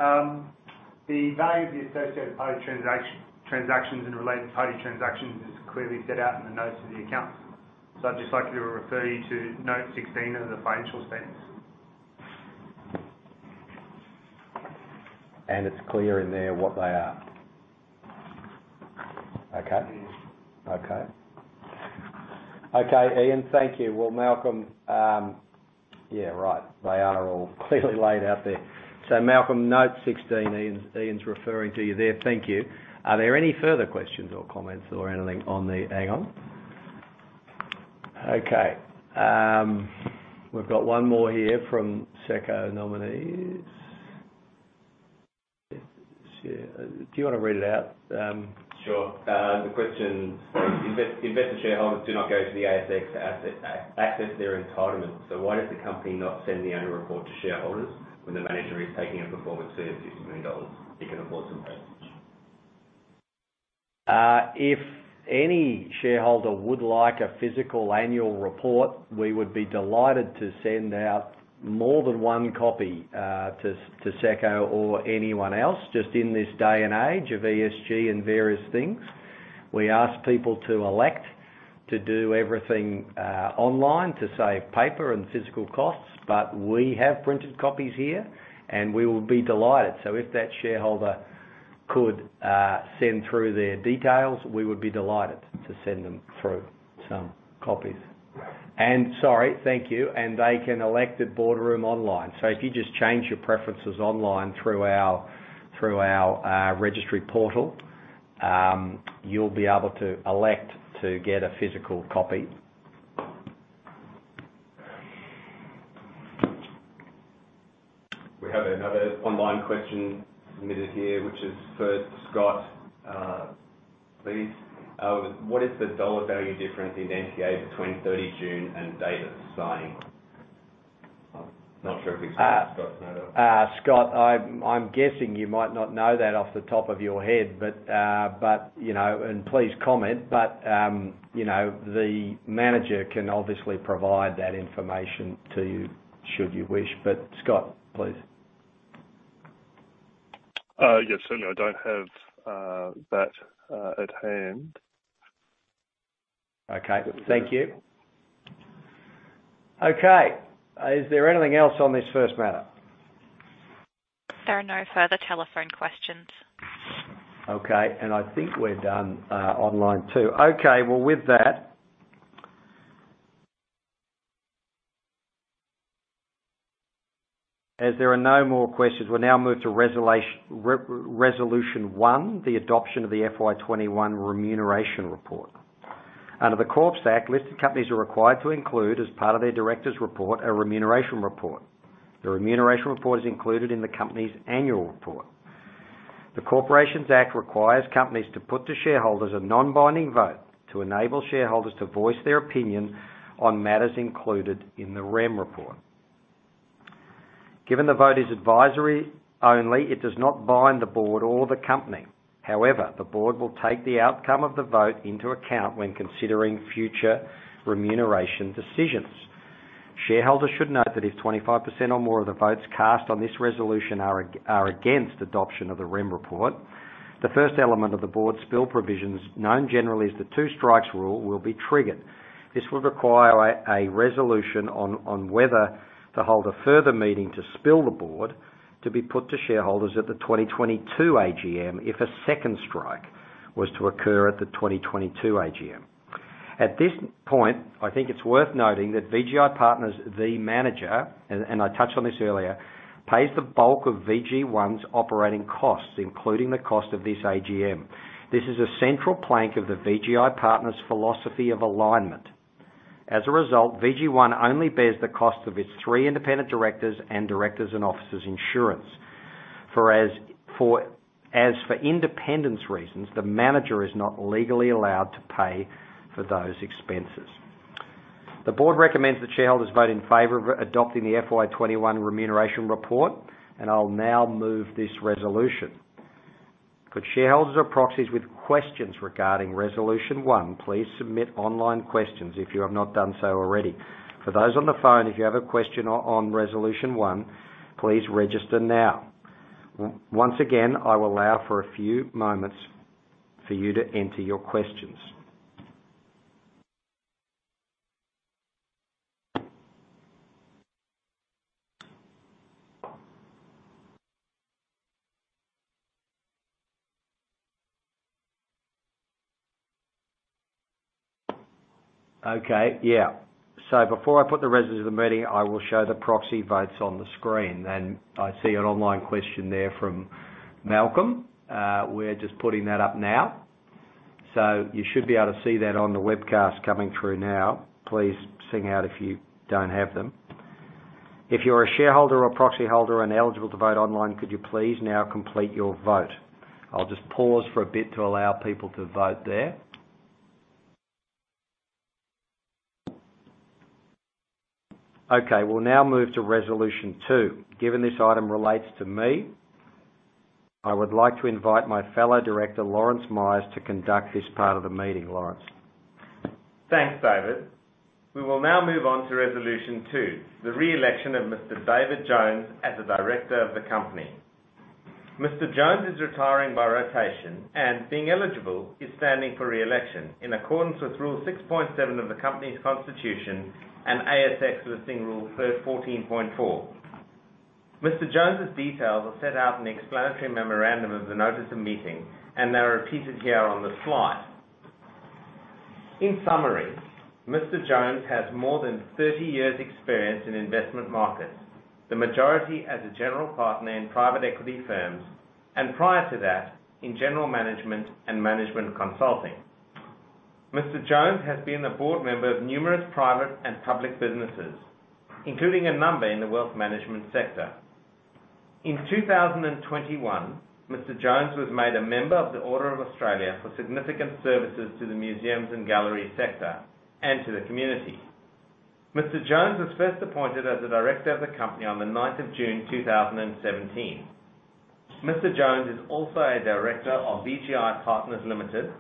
The value of the associated party transactions and related party transactions is clearly set out in the notes of the accounts. I'd just like to refer you to note 16 of the financial statements. It's clear in there what they are? Okay. Yes. Okay, Ian, thank you. Well, Malcolm. Yeah, right. They are all clearly laid out there. Malcolm, note 16, Ian's referring to you there. Thank you. Are there any further questions or comments or anything on the AGM? Okay. We've got one more here from Seco Nominees. Do you wanna read it out? Sure. The question is that invested shareholders do not go to the ASX to access their entitlement, so why does the company not send the annual report to shareholders when the manager is taking a performance fee of 50 million dollars? It can afford some postage. If any shareholder would like a physical annual report, we would be delighted to send out more than one copy to Seco or anyone else. Just in this day and age of ESG and various things, we ask people to elect to do everything online to save paper and physical costs. We have printed copies here, and we will be delighted. If that shareholder could send through their details, we would be delighted to send them through some copies. Sorry, thank you, and they can elect at Boardroom online. If you just change your preferences online through our registry portal, you'll be able to elect to get a physical copy. We have another online question submitted here, which is for Scott, please. What is the dollar value difference in NTA between 30 June and date of signing? I'm not sure if you can help Scott or not. Scott, I'm guessing you might not know that off the top of your head, but you know, and please comment, but you know, the manager can obviously provide that information to you should you wish. Scott, please. Yes. Certainly, I don't have that at hand. Okay. Thank you. Okay. Is there anything else on this first matter? There are no further telephone questions. Okay. I think we're done online too. Okay, with that. As there are no more questions, we'll now move to resolution one, the adoption of the FY 2021 Remuneration Report. Under the Corps Act, listed companies are required to include, as part of their director's report, a remuneration report. The remuneration report is included in the company's annual report. The Corporations Act requires companies to put to shareholders a non-binding vote to enable shareholders to voice their opinion on matters included in the remuneration report. Given the vote is advisory only, it does not bind the board or the company. However, the board will take the outcome of the vote into account when considering future remuneration decisions. Shareholders should note that if 25% or more of the votes cast on this resolution are against adoption of the remuneration report, the first element of the board spill provisions, known generally as the two strikes rule, will be triggered. This will require a resolution on whether to hold a further meeting to spill the board to be put to shareholders at the 2022 AGM if a second strike was to occur at the 2022 AGM. At this point, I think it's worth noting that VGI Partners, the manager, and I touched on this earlier, pays the bulk of VG1's operating costs, including the cost of this AGM. This is a central plank of the VGI Partners philosophy of alignment. As a result, VG1 only bears the cost of its three independent directors and directors and officers insurance. For independence reasons, the manager is not legally allowed to pay for those expenses. The board recommends that shareholders vote in favor of adopting the FY 2021 Remuneration Report, and I'll now move this resolution. Could shareholders or proxies with questions regarding Resolution one, please submit online questions if you have not done so already. For those on the phone, if you have a question on Resolution one, please register now. Once again, I will allow for a few moments for you to enter your questions. Okay. Before I put the rest of the meeting, I will show the proxy votes on the screen. I see an online question there from Malcolm. We're just putting that up now. You should be able to see that on the webcast coming through now. Please sing out if you don't have them. If you're a shareholder or proxy holder and eligible to vote online, could you please now complete your vote? I'll just pause for a bit to allow people to vote there. Okay, we'll now move to Resolution 2. Given this item relates to me, I would like to invite my fellow director, Lawrence Myers, to conduct this part of the meeting. Lawrence. Thanks, David. We will now move on to Resolution 2, the re-election of Mr. David Jones as a Director of the company. Mr. Jones is retiring by rotation and being eligible, is standing for re-election in accordance with Rule 6.7 of the company's constitution and ASX Listing Rules 14.4. Mr. Jones's details are set out in the explanatory memorandum of the notice of meeting, and they are repeated here on the slide. In summary, Mr. Jones has more than 30 years’ experience in investment markets, the majority as a General Partner in private equity firms, and prior to that in general management and management consulting. Mr. Jones has been a board member of numerous private and public businesses, including a number in the wealth management sector. In 2021, Mr. Jones was made a Member of the Order of Australia for significant services to the museums and gallery sector and to the community. Mr. Jones was first appointed as a director of the company on 9 June 2017. Mr. Jones is also a director of VGI Partners Limited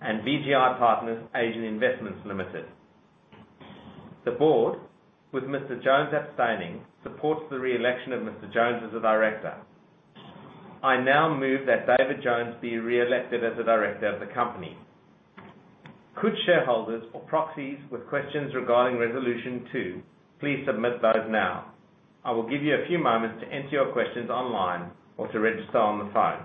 and VGI Partners Asian Investments Limited. The Board, with Mr. Jones abstaining, supports the re-election of Mr. Jones as a director. I now move that David Jones be re-elected as a director of the company. Could shareholders or proxies with questions regarding Resolution 2, please submit those now. I will give you a few moments to enter your questions online or to register on the phone.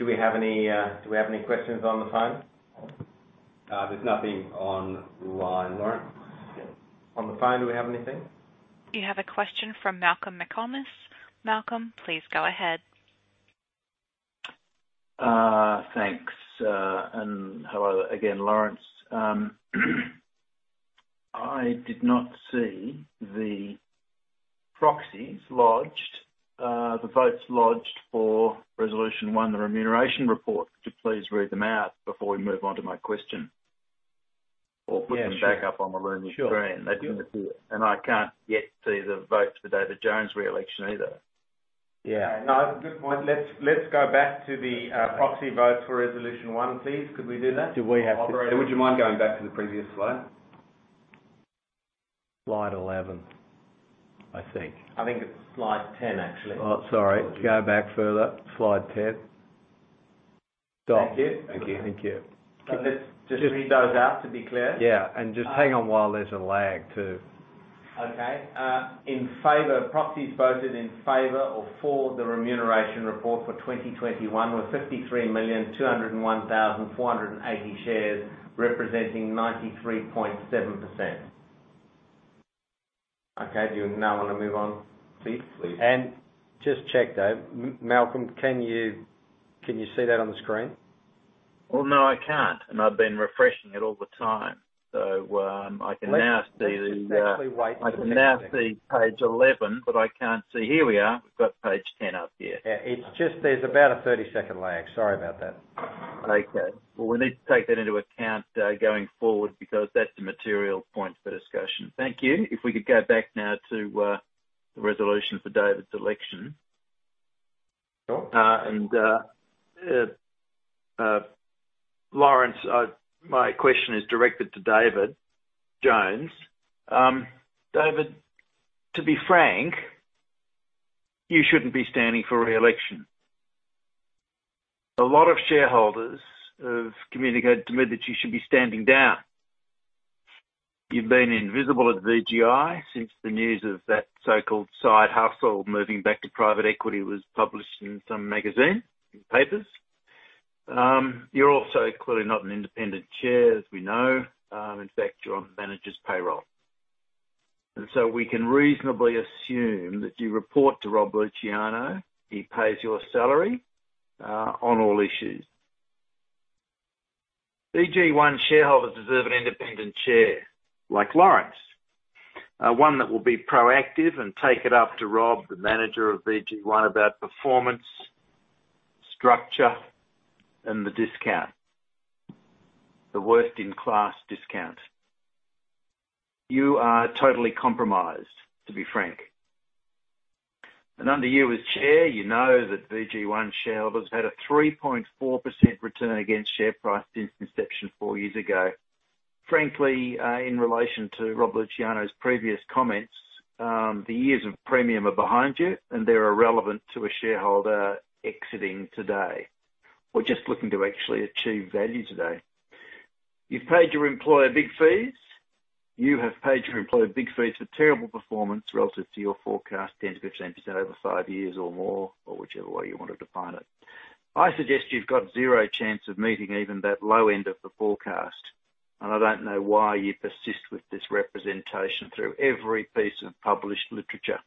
Do we have any questions on the phone? There's nothing on the line, Lawrence. On the phone, do we have anything? You have a question from Malcolm McComas. Malcolm, please go ahead. Thanks. Hello again, Lawrence. I did not see the proxies lodged, the votes lodged for Resolution 1, the Remuneration Report. Could you please read them out before we move on to my question? Yeah, sure. Put them back up on the room screen. Sure. I didn't see it. I can't yet see the votes for David Jones re-election either. Yeah. No, good point. Let's go back to the proxy votes for Resolution one, please. Could we do that? Do we have to? Operator, would you mind going back to the previous slide? Slide 11, I think. I think it's slide 10, actually. Oh, sorry. Go back further. Slide 10. Got it. Thank you. Thank you. Let's just read those out to be clear. Yeah. Just hang on while there's a lag, too. Okay. In favor, proxies voted in favor or for the Remuneration Report for 2021 were 53,201,480 shares representing 93.7%. Okay. Do you now wanna move on, please? Please. Just check, Dave. Malcolm, can you see that on the screen? Well, no, I can't, and I've been refreshing it all the time. I can now see the Let's just actually wait for. I can now see page 11, but I can't see. Here we are. We've got page 10 up here. Yeah. It's just there's about a 30-second lag. Sorry about that. Okay. Well, we need to take that into account, going forward because that's the material point for discussion. Thank you. If we could go back now to, the resolution for David's election. Sure. Lawrence, my question is directed to David Jones. David, to be frank, you shouldn't be standing for re-election. A lot of shareholders have communicated to me that you should be standing down. You've been invisible at VGI since the news of that so-called side hustle moving back to private equity was published in some magazine and papers. You're also clearly not an independent chair, as we know. In fact, you're on the manager's payroll. We can reasonably assume that you report to Robert Luciano, he pays your salary on all issues. VG1 shareholders deserve an independent chair like Lawrence, one that will be proactive and take it up to Rob, the manager of VG1, about performance, structure, and the discount. The worst in class discount. You are totally compromised, to be frank. Under you as chair, you know that VG1 shareholders had a 3.4% return against share price since inception four years ago. Frankly, in relation to Robert Luciano's previous comments, the years of premium are behind you, and they're irrelevant to a shareholder exiting today. We're just looking to actually achieve value today. You have paid your employer big fees for terrible performance relative to your forecast, 10%-15% over five years or more, or whichever way you want to define it. I suggest you've got zero chance of meeting even that low end of the forecast, and I don't know why you persist with this representation through every piece of published literature.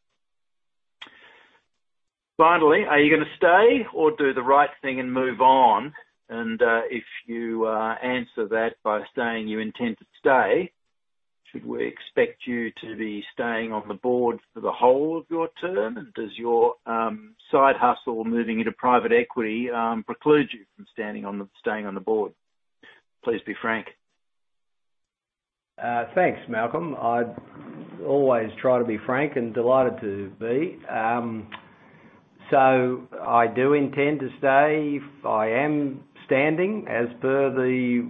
Finally, are you gonna stay or do the right thing and move on? If you answer that by saying you intend to stay, should we expect you to be staying on the board for the whole of your term? Does your side hustle moving into private equity preclude you from staying on the board? Please be frank. Thanks, Malcolm. I always try to be frank and delighted to be. So I do intend to stay. I am standing as per the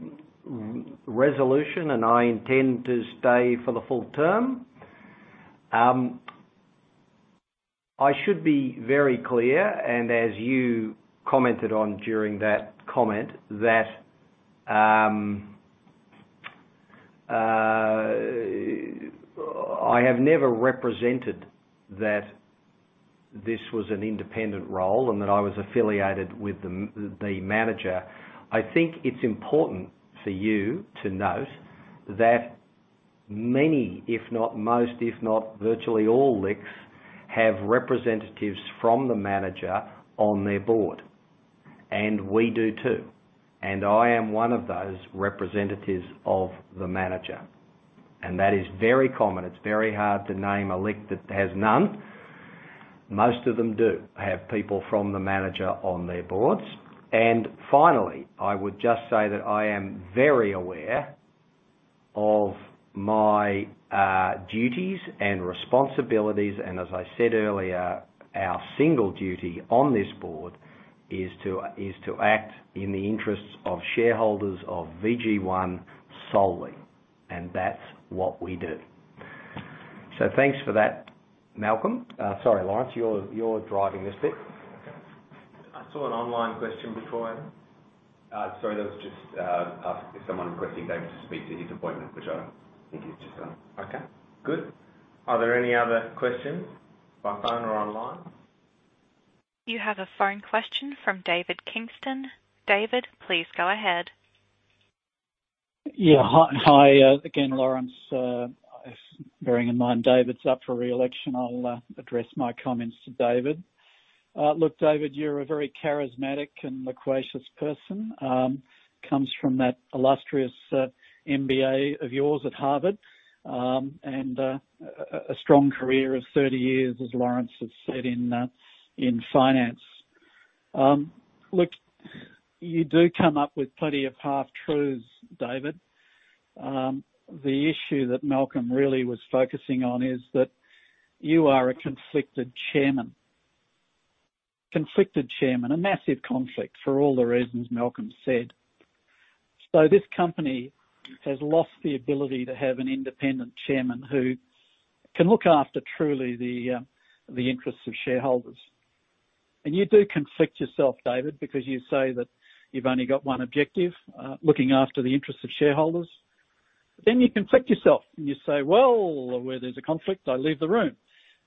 resolution, and I intend to stay for the full term. I should be very clear, and as you commented on during that comment, that I have never represented that this was an independent role and that I was affiliated with the manager. I think it's important for you to note that many, if not most, if not virtually all LICs, have representatives from the manager on their Board, and we do, too. I am one of those representatives of the manager, and that is very common. It's very hard to name a LIC that has none. Most of them do have people from the manager on their boards. Finally, I would just say that I am very aware of my duties and responsibilities, and as I said earlier, our single duty on this Board is to act in the interests of shareholders of VG1 solely, and that's what we do. Thanks for that, Malcolm. Sorry, Lawrence, you're driving this bit. Okay. I saw an online question before. Sorry, that was just asking if someone was requesting David to speak to his appointment, which I think he's just done. Okay, good. Are there any other questions by phone or online? You have a phone question from David Kingston. David, please go ahead. Yeah. Hi, again, Lawrence. Bearing in mind David's up for re-election, I'll address my comments to David. Look, David, you're a very charismatic and loquacious person. Comes from that illustrious MBA of yours at Harvard, and a strong career of 30 years, as Lawrence has said in finance. Look, you do come up with plenty of half-truths, David. The issue that Malcolm really was focusing on is that you are a conflicted Chairman. Conflicted Chairman, a massive conflict for all the reasons Malcolm said. This company has lost the ability to have an independent Chairman who can look after truly the interests of shareholders. You do conflict yourself, David, because you say that you've only got one objective, looking after the interests of shareholders. You conflict yourself and you say, "Well, where there's a conflict, I leave the room,"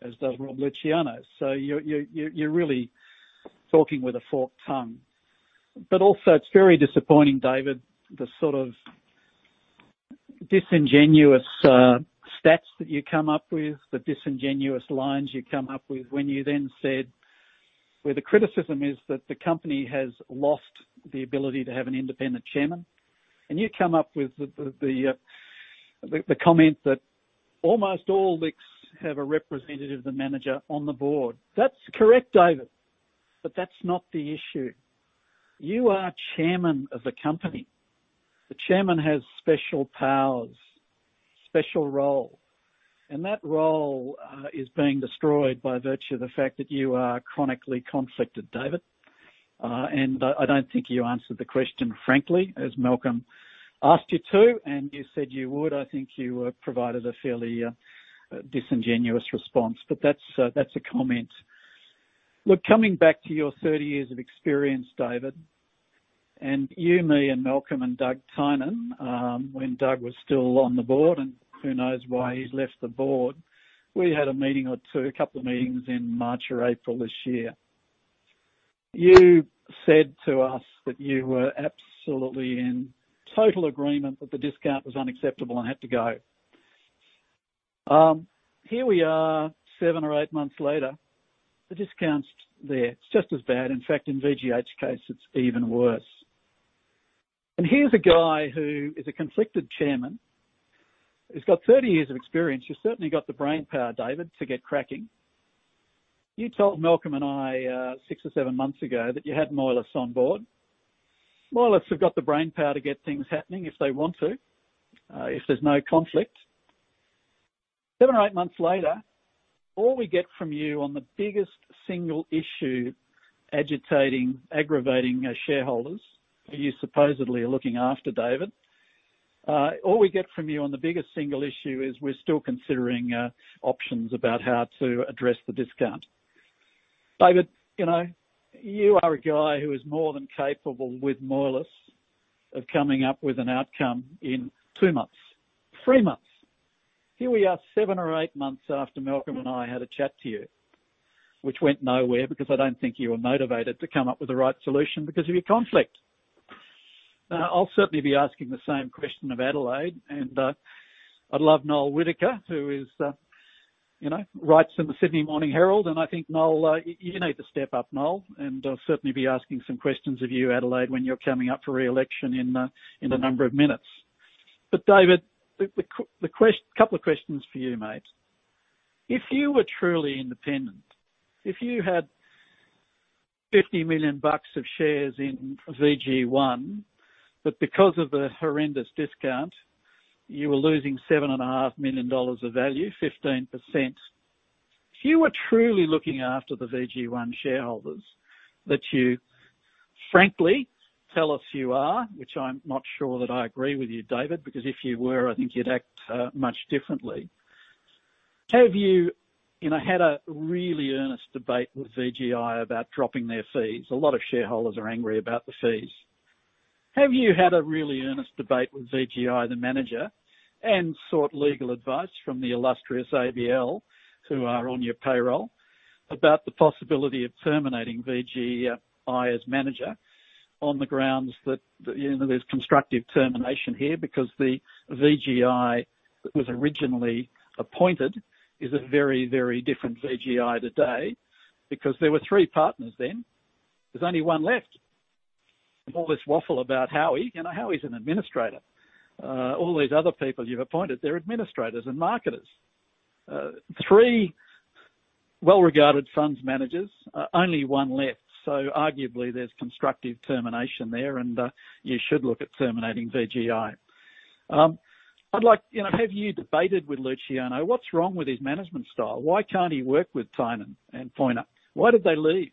as does Rob Luciano. You're really talking with a forked tongue. Also it's very disappointing, David, the sort of disingenuous stats that you come up with, the disingenuous lines you come up with when you then said, where the criticism is that the company has lost the ability to have an independent chairman. You come up with the comment that almost all LICs have a representative of the manager on the Board. That's correct, David, but that's not the issue. You are Chairman of the company. The chairman has special powers, special role, and that role is being destroyed by virtue of the fact that you are chronically conflicted, David. I don't think you answered the question frankly, as Malcolm asked you to, and you said you would. I think you provided a fairly disingenuous response, but that's a comment. Look, coming back to your 30 years of experience, David, and you, me, and Malcolm, and Doug Tynan, when Doug was still on the board and who knows why he's left the board, we had a meeting or two, a couple of meetings in March or April this year. You said to us that you were absolutely in total agreement that the discount was unacceptable and had to go. Here we are seven or eight months later. The discount's there. It's just as bad. In fact, in VGI case, it's even worse. Here's a guy who is a conflicted chairman, who's got 30 years of experience. You certainly got the brainpower, David, to get cracking. You told Malcolm and I, six or seven months ago that you had Moelis on board. Moelis have got the brainpower to get things happening if they want to, if there's no conflict. Seven or eight months later, all we get from you on the biggest single issue agitating, aggravating, shareholders, who you supposedly are looking after, David, all we get from you on the biggest single issue is we're still considering, options about how to address the discount. David, you know, you are a guy who is more than capable with Moelis of coming up with an outcome in two months, three months. Here we are, seven or eight months after Malcolm and I had a chat to you, which went nowhere because I don't think you were motivated to come up with the right solution because of your conflict. I'll certainly be asking the same question of Adelaide. I love Noel Whittaker, who is, you know, writes in the Sydney Morning Herald, and I think, Noel, you need to step up, Noel, and I'll certainly be asking some questions of you, Adelaide, when you're coming up for re-election in a number of minutes. David, the couple of questions for you, mate. If you were truly independent, if you had 50 million bucks of shares in VG1, but because of the horrendous discount, you were losing 7.5 million dollars of value, 15%. If you were truly looking after the VG1 shareholders that you frankly tell us you are, which I'm not sure that I agree with you, David, because if you were, I think you'd act much differently. Have you know, had a really earnest debate with VGI about dropping their fees? A lot of shareholders are angry about the fees. Have you had a really earnest debate with VGI, the manager, and sought legal advice from the illustrious ABL, who are on your payroll, about the possibility of terminating VGI as manager on the grounds that, you know, there's constructive termination here because the VGI that was originally appointed is a very, very different VGI today because there were three partners then. There's only one left. All this waffle about Howie. You know, Howie's an administrator. All these other people you've appointed, they're administrators and marketers. Three well-regarded funds managers, only one left. Arguably, there's constructive termination there, and you should look at terminating VGI. You know, have you debated with Luciano what's wrong with his management style? Why can't he work with Tynan and Poyner? Why did they leave?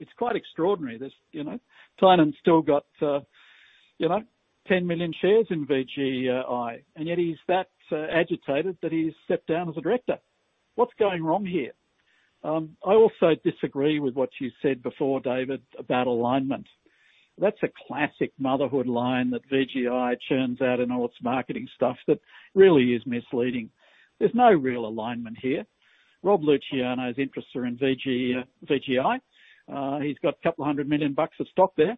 It's quite extraordinary. There's, you know, Tynan's still got, you know, 10 million shares in VGI, and yet he's that agitated that he's stepped down as a director. What's going wrong here? I also disagree with what you said before, David, about alignment. That's a classic motherhood line that VGI churns out in all its marketing stuff that really is misleading. There's no real alignment here. Rob Luciano's interests are in VG, VGI. He's got a couple hundred million bucks of stock there.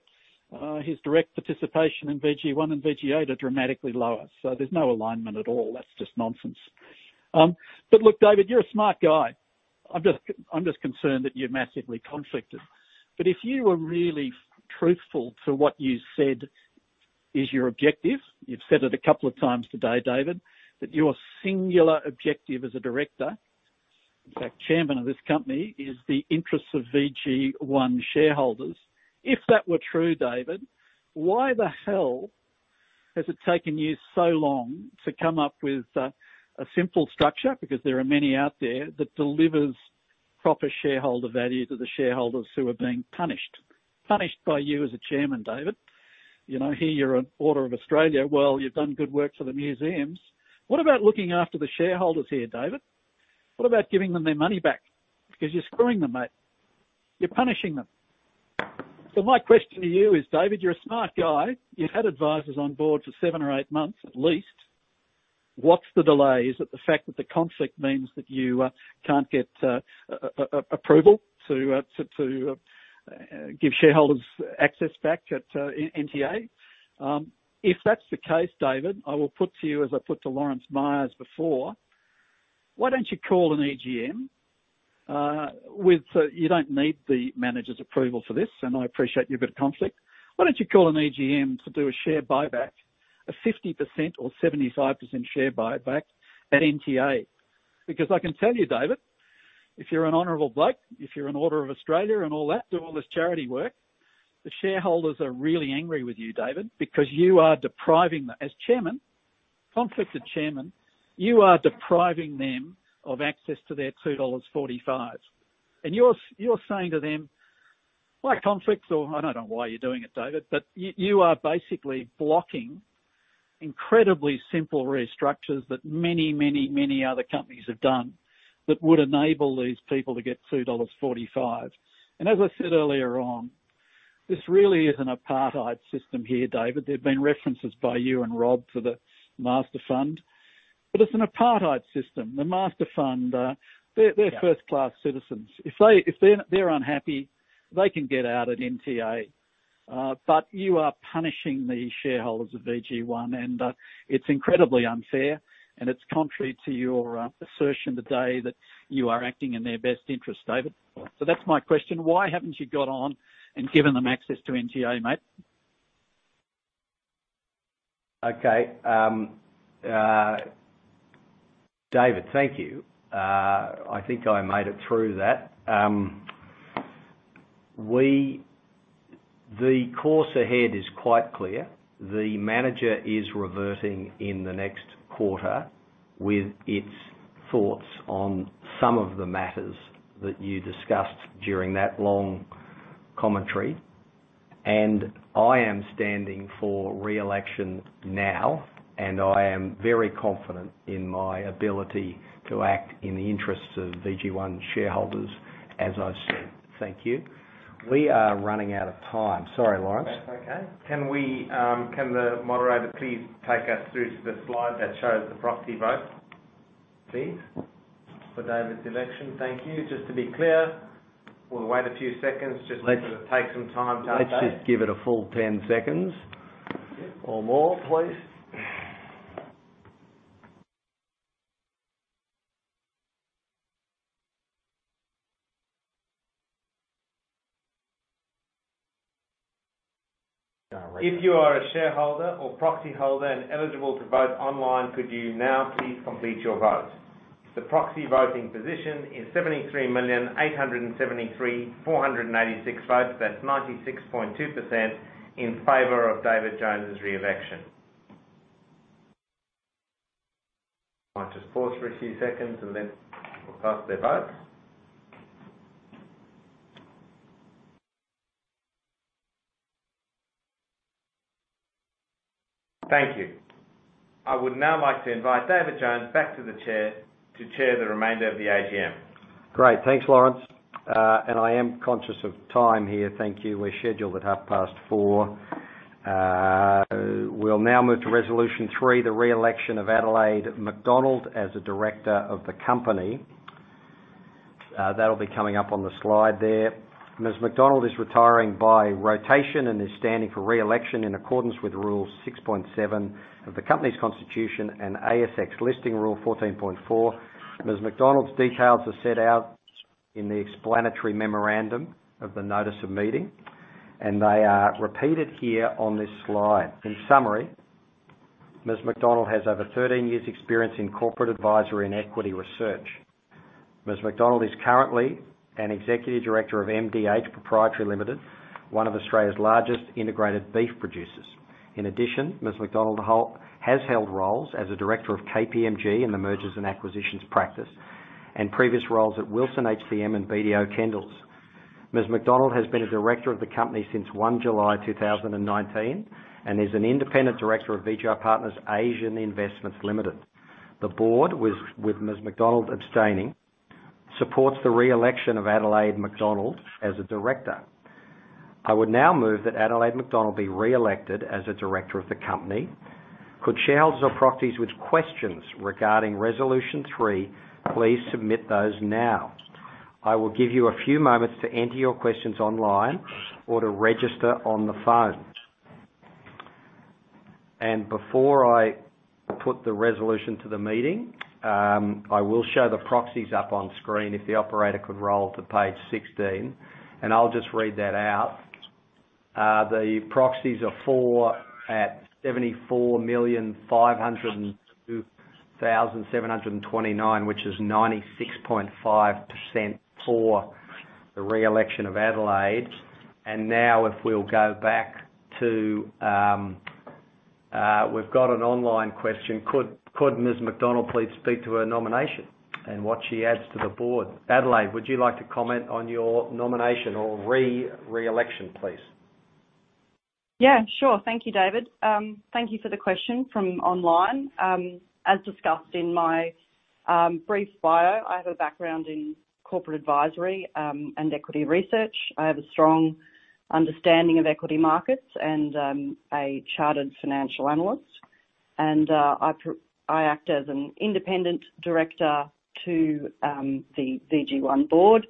His direct participation in VG1 and VG8 are dramatically lower, so there's no alignment at all. That's just nonsense. Look, David, you're a smart guy. I'm just concerned that you're massively conflicted. If you were really truthful to what you said is your objective, you've said it a couple of times today, David, that your singular objective as a Director, in fact, Chairman of this company, is the interest of VG1 shareholders. If that were true, David, why the hell has it taken you so long to come up with a simple structure, because there are many out there, that delivers proper shareholder value to the shareholders who are being punished by you as a Chairman, David? You know, here you're an Order of Australia. Well, you've done good work for the museums. What about looking after the shareholders here, David? What about giving them their money back? Because you're screwing them, mate. You're punishing them. My question to you is, David, you're a smart guy. You've had advisors on board for seven or eight months, at least. What's the delay? Is it the fact that the conflict means that you can't get approval to give shareholders access back at NTA? If that's the case, David, I will put to you, as I put to Lawrence Myers before, why don't you call an EGM? You don't need the manager's approval for this, and I appreciate you've got a conflict. Why don't you call an EGM to do a share buyback, a 50% or 75% share buyback at NTA? Because I can tell you, David, if you're an honorable bloke, if you're an Order of Australia and all that, do all this charity work, the shareholders are really angry with you, David, because you are depriving them. As Chairman, conflicted chairman, you are depriving them of access to their 2.45 dollars. You're saying to them, my conflicts, or I don't know why you're doing it, David, but you are basically blocking incredibly simple restructures that many, many, many other companies have done that would enable these people to get 2.45 dollars. As I said earlier on, this really is an apartheid system here, David. There have been references by you and Rob for the master fund, but it's an apartheid system. The master fund, they're first-class citizens. If they're unhappy, they can get out at NTA. You are punishing the shareholders of VG1, and it's incredibly unfair, and it's contrary to your assertion today that you are acting in their best interest, David. That's my question. Why haven't you got on and given them access to NTA, mate? Okay. David, thank you. I think I made it through that. The course ahead is quite clear. The manager is reverting in the next quarter with its thoughts on some of the matters that you discussed during that long commentary. I am standing for re-election now, and I am very confident in my ability to act in the interests of VG1 shareholders, as I've said. Thank you. We are running out of time. Sorry, Lawrence. That's okay. Can the moderator please take us through to the slide that shows the proxy vote, please, for David's election? Thank you. Just to be clear, we'll wait a few seconds just to let you take some time to update. Let's just give it a full 10 seconds or more, please. If you are a shareholder or proxy holder and eligible to vote online, could you now please complete your vote? The proxy voting position is 73,873,486 votes. That's 96.2% in favor of David Jones' re-election. I'll just pause for a few seconds and then we'll cast the vote. Thank you. I would now like to invite David Jones back to the chair to chair the remainder of the AGM. Great. Thanks, Lawrence. I am conscious of time here. Thank you. We're scheduled at 4:30 PM. We'll now move to Resolution 3, the re-election of Adelaide McDonald as a Director of the company. That'll be coming up on the slide there. Ms. McDonald is retiring by rotation and is standing for re-election in accordance with rule 6.7 of the company's constitution and ASX Listing Rule 14.4. Ms. McDonald's details are set out in the explanatory memorandum of the notice of meeting, and they are repeated here on this slide. In summary, Ms. McDonald has over 13 years' experience in corporate advisory and equity research. Ms. McDonald is currently an Executive Director of MDH Pty Ltd, one of Australia's largest integrated beef producers. In addition, Ms. McDonald has held roles as a director of KPMG in the mergers and acquisitions practice and previous roles at Wilson HTM and BDO Kendalls. Ms. McDonald has been a Director of the company since 1 July 2019 and is an independent director of VGI Partners Asian Investments Limited. The board, with Ms. McDonald abstaining, supports the re-election of Adelaide McDonald as a Director. I would now move that Adelaide McDonald be re-elected as a Director of the company. Could shareholders or proxies with questions regarding resolution three, please submit those now. I will give you a few moments to enter your questions online or to register on the phone. Before I put the resolution to the meeting, I will show the proxies up on screen if the operator could roll to page 16, and I'll just read that out. The proxies are for 74,502,729, which is 96.5% for the re-election of Adelaide. Now if we'll go back to, we've got an online question. Could Ms. McDonald please speak to her nomination and what she adds to the board? Adelaide, would you like to comment on your nomination or re-election, please? Yeah, sure. Thank you, David. Thank you for the question from online. As discussed in my brief bio, I have a background in corporate advisory and equity research. I have a strong understanding of equity markets and a Chartered Financial Analyst. I act as an Independent Director to the VG1 Board.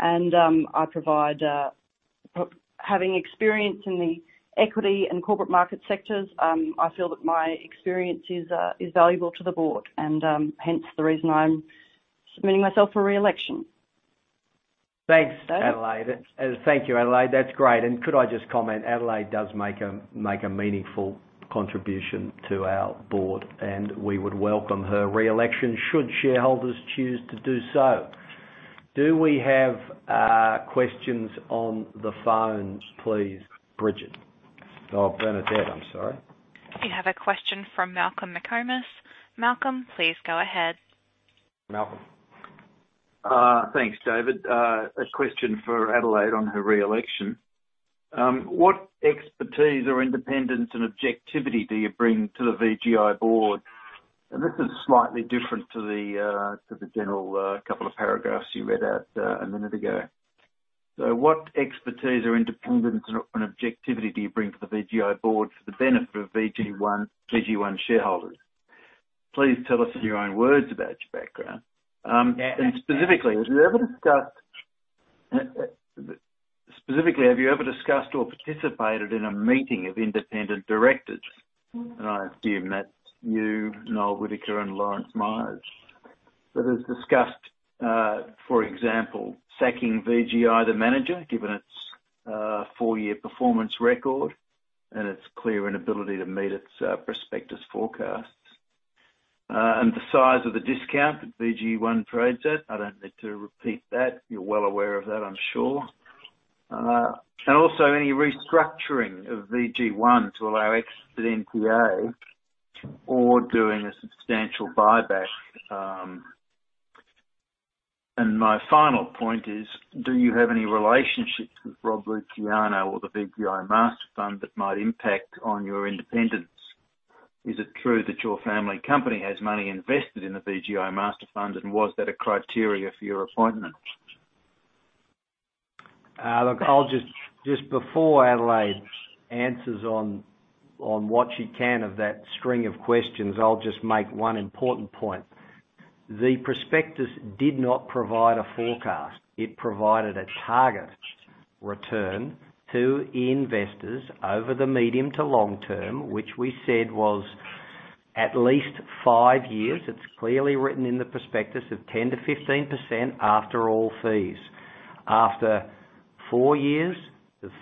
I provide having experience in the equity and corporate market sectors, I feel that my experience is valuable to the Board and hence the reason I'm submitting myself for re-election. Thanks, Adelaide. David. Thank you, Adelaide. That's great. Could I just comment, Adelaide does make a meaningful contribution to our Board, and we would welcome her re-election, should shareholders choose to do so. Do we have questions on the phones, please, Bridgette? Oh, Bernadette, I'm sorry. You have a question from Malcolm McComas. Malcolm, please go ahead. Malcolm. Thanks, David. A question for Adelaide on her re-election. What expertise or independence and objectivity do you bring to the VGI Board? This is slightly different to the general couple of paragraphs you read out a minute ago. What expertise or independence and objectivity do you bring to the VGI Board for the benefit of VG1 shareholders? Please tell us in your own words about your background. Specifically, have you ever discussed or participated in a meeting of independent directors? I assume that's you, Noel Whittaker, and Lawrence Myers, that has discussed, for example, sacking VGI, the manager, given its four-year performance record and its clear inability to meet its prospectus forecasts. The size of the discount that VG1 trades at. I don't need to repeat that. You're well aware of that, I'm sure. Also any restructuring of VG1 to allow exit NAV or doing a substantial buyback. My final point is, do you have any relationships with Robert Luciano or the VGI master fund that might impact on your independence? Is it true that your family company has money invested in the VGI master fund? Was that a criterion for your appointment? Look, I'll just before Adelaide answers on what she can of that string of questions, I'll just make one important point. The prospectus did not provide a forecast. It provided a target return to investors over the medium to long term, which we said was at least five years. It's clearly written in the prospectus of 10%-15% after all fees. After four years,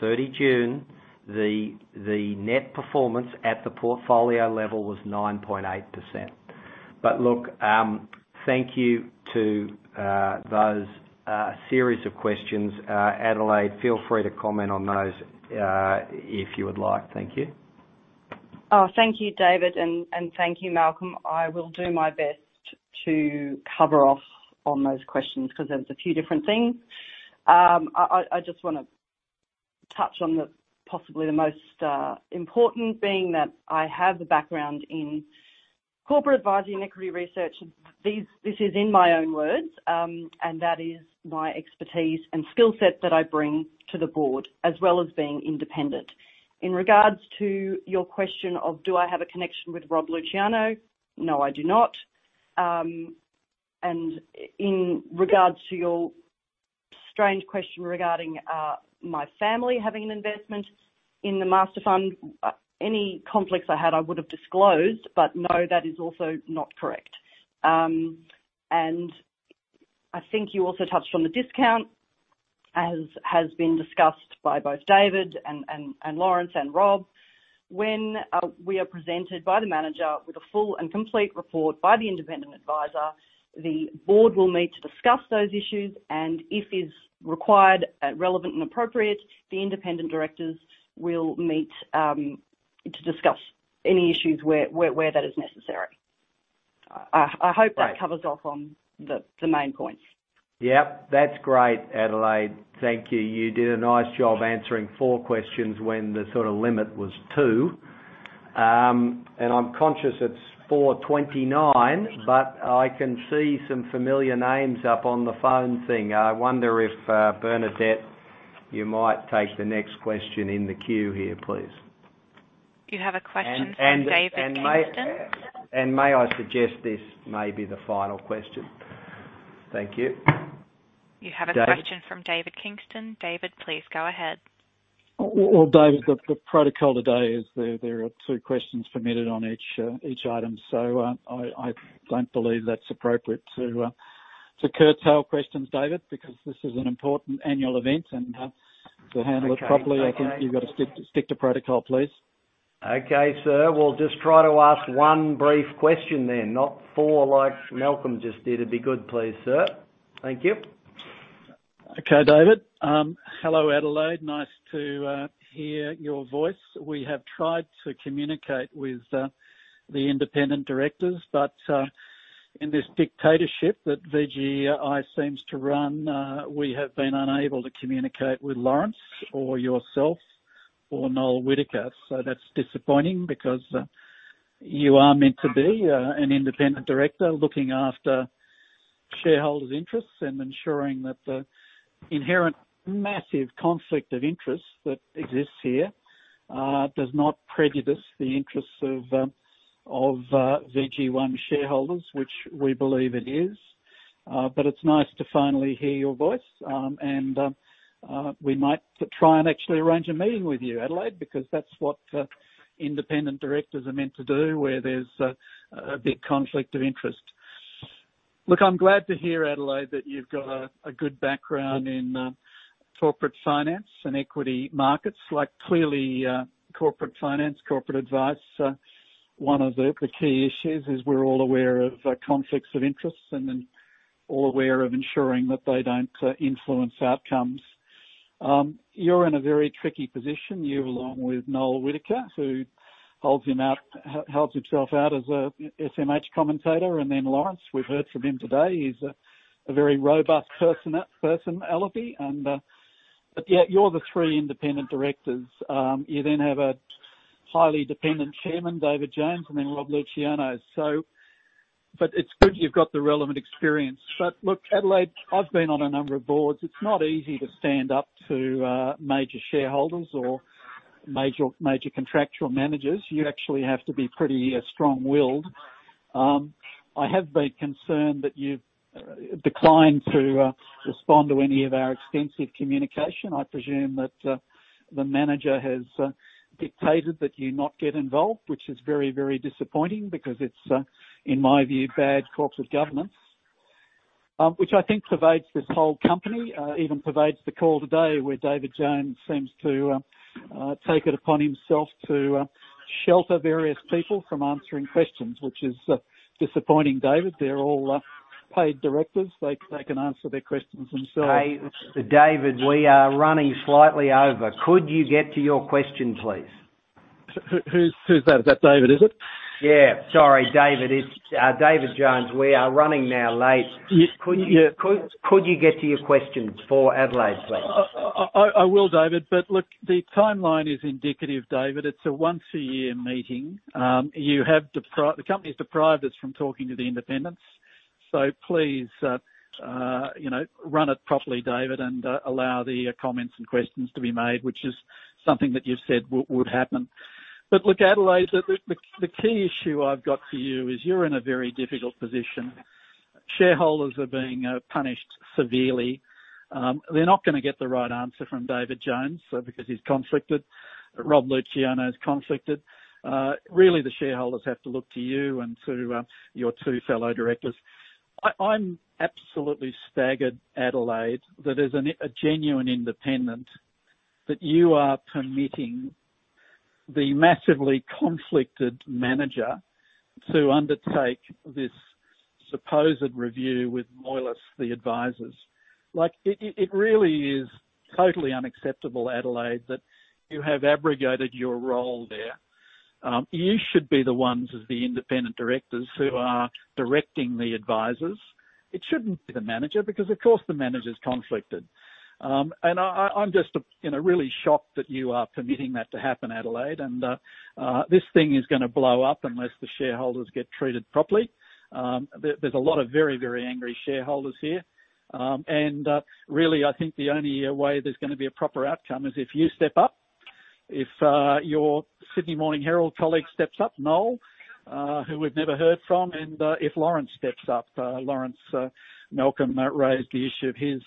30 June, the net performance at the portfolio level was 9.8%. Look, thank you to those series of questions. Adelaide, feel free to comment on those, if you would like. Thank you. Oh, thank you, David. Thank you, Malcolm. I will do my best to cover off on those questions because there's a few different things. I just want to touch on possibly the most important being that I have the background in corporate advisory and equity research. This is in my own words, and that is my expertise and skill set that I bring to the board, as well as being independent. In regards to your question of, do I have a connection with Robert Luciano? No, I do not. In regards to your strange question regarding my family having an investment in the master fund, any conflicts I had, I would have disclosed, but no, that is also not correct. I think you also touched on the discount, as has been discussed by both David and Lawrence and Rob. When we are presented by the manager with a full and complete report by the independent advisor, the Board will meet to discuss those issues, and if it's required, relevant and appropriate, the Independent Directors will meet to discuss any issues where that is necessary. I hope that covers off on the main points. Yep, that's great, Adelaide. Thank you. You did a nice job answering four questions when the sort of limit was two. I'm conscious it's 4:29 PM., but I can see some familiar names up on the phone thing. I wonder if, Bernadette, you might take the next question in the queue here, please. You have a question from David Kingston. May I suggest this may be the final question. Thank you. You have a question from David Kingston. David, please go ahead. Well, David, the protocol today is that there are two questions permitted on each item. I don't believe that's appropriate to curtail questions, David, because this is an important annual event and to handle it properly, I think you've got to stick to protocol, please. Okay, sir. Well, just try to ask one brief question then, not four like Malcolm just did. It'd be good, please, sir. Thank you. Okay, David. Hello, Adelaide. Nice to hear your voice. We have tried to communicate with the Independent Directors, but in this dictatorship that VGI seems to run, we have been unable to communicate with Lawrence or yourself or Noel Whittaker. That's disappointing because you are meant to be an Independent Director looking after shareholders' interests and ensuring that the inherent massive conflict of interest that exists here does not prejudice the interests of VG1 shareholders, which we believe it is. It's nice to finally hear your voice. We might try and actually arrange a meeting with you, Adelaide, because that's what independent directors are meant to do, where there's a big conflict of interest. Look, I'm glad to hear, Adelaide, that you've got a good background in corporate finance and equity markets. Like, clearly, corporate finance, corporate advice, one of the key issues is we're all aware of conflicts of interest and we're all aware of ensuring that they don't influence outcomes. You're in a very tricky position. You, along with Noel Whittaker, who holds himself out as a SMH commentator, and then Lawrence, we've heard from him today. He's a very robust personality. Yet you're the three independent directors. You then have a highly dependent chairman, David Jones, and then Rob Luciano. It's good you've got the relevant experience. Look, Adelaide, I've been on a number of boards. It's not easy to stand up to major shareholders or major contractual managers. You actually have to be pretty strong-willed. I have been concerned that you've declined to respond to any of our extensive communication. I presume that the manager has dictated that you not get involved, which is very, very disappointing because it's in my view, bad corporate governance, which I think pervades this whole company, even pervades the call today, where David Jones seems to take it upon himself to shelter various people from answering questions, which is disappointing, David. They're all paid directors. They can answer their questions themselves. David, we are running slightly over. Could you get to your question, please? Who's that? Is that David, is it? Yeah. Sorry, David. It's David Jones. We are running now late. Y-yeah. Could you get to your questions for Adelaide, please? I will, David. Look, the timeline is indicative, David. It's a once a year meeting. The company's deprived us from talking to the independents. Please, you know, run it properly, David, and allow the comments and questions to be made, which is something that you've said would happen. Look, Adelaide, the key issue I've got for you is you're in a very difficult position. Shareholders are being punished severely. They're not gonna get the right answer from David Jones because he's conflicted. Robert Luciano is conflicted. Really, the shareholders have to look to you and to your two fellow directors. I'm absolutely staggered, Adelaide, that as a genuine independent, that you are permitting the massively conflicted manager to undertake this supposed review with Moelis, the advisors. Like, it really is totally unacceptable, Adelaide, that you have abrogated your role there. You should be the ones, as the Independent Directors, who are directing the advisors. It shouldn't be the manager because of course the manager's conflicted. I'm just, you know, really shocked that you are permitting that to happen, Adelaide, and this thing is gonna blow up unless the shareholders get treated properly. There's a lot of very, very angry shareholders here, and really, I think the only way there's gonna be a proper outcome is if you step up, if your Sydney Morning Herald colleague steps up, Noel, who we've never heard from, and if Lawrence steps up. Lawrence, Malcolm raised the issue of his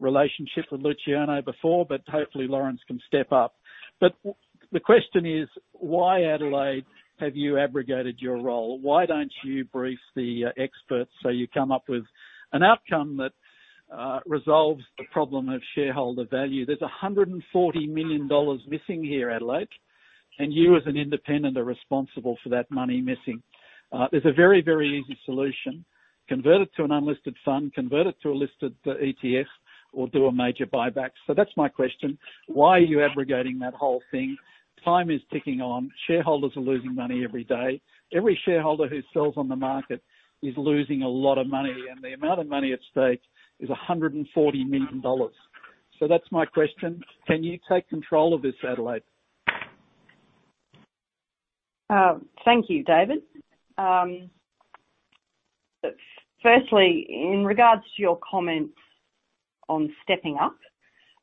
relationship with Luciano before, but hopefully Lawrence can step up. The question is, why, Adelaide, have you abrogated your role? Why don't you brief the experts so you come up with an outcome that resolves the problem of shareholder value? There's 140 million dollars missing here, Adelaide, and you as an independent are responsible for that money missing. There's a very easy solution. Convert it to an unlisted fund, convert it to a listed ETF, or do a major buyback. That's my question. Why are you abrogating that whole thing? Time is ticking on. Shareholders are losing money every day. Every shareholder who sells on the market is losing a lot of money, and the amount of money at stake is 140 million dollars. That's my question. Can you take control of this, Adelaide? Thank you, David. Firstly, in regards to your comments on stepping up,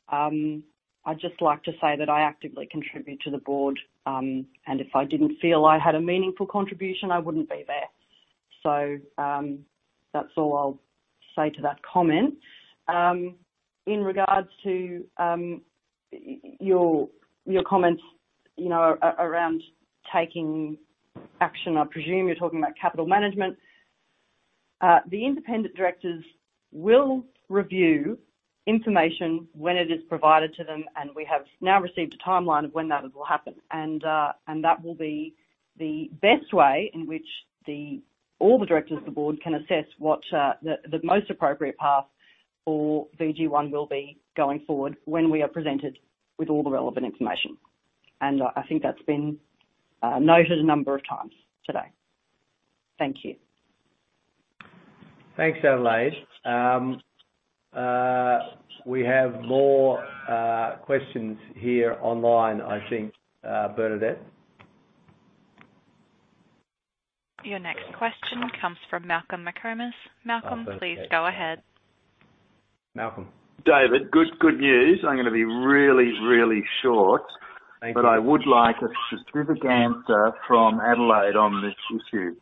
I'd just like to say that I actively contribute to the board, and if I didn't feel I had a meaningful contribution, I wouldn't be there. So, that's all I'll say to that comment. In regards to your comments, you know, around taking action, I presume you're talking about capital management. The independent directors will review information when it is provided to them, and we have now received a timeline of when that will happen. That will be the best way in which all the Directors of the Board can assess what the most appropriate path for VG1 will be going forward when we are presented with all the relevant information. I think that's been noted a number of times today. Thank you. Thanks, Adelaide. We have more questions here online, I think, Bernadette. Your next question comes from Malcolm McComas. Malcolm, please go ahead. Malcolm? David, good news. I'm gonna be really, really short. Thank you. I would like a specific answer from Adelaide on this issue.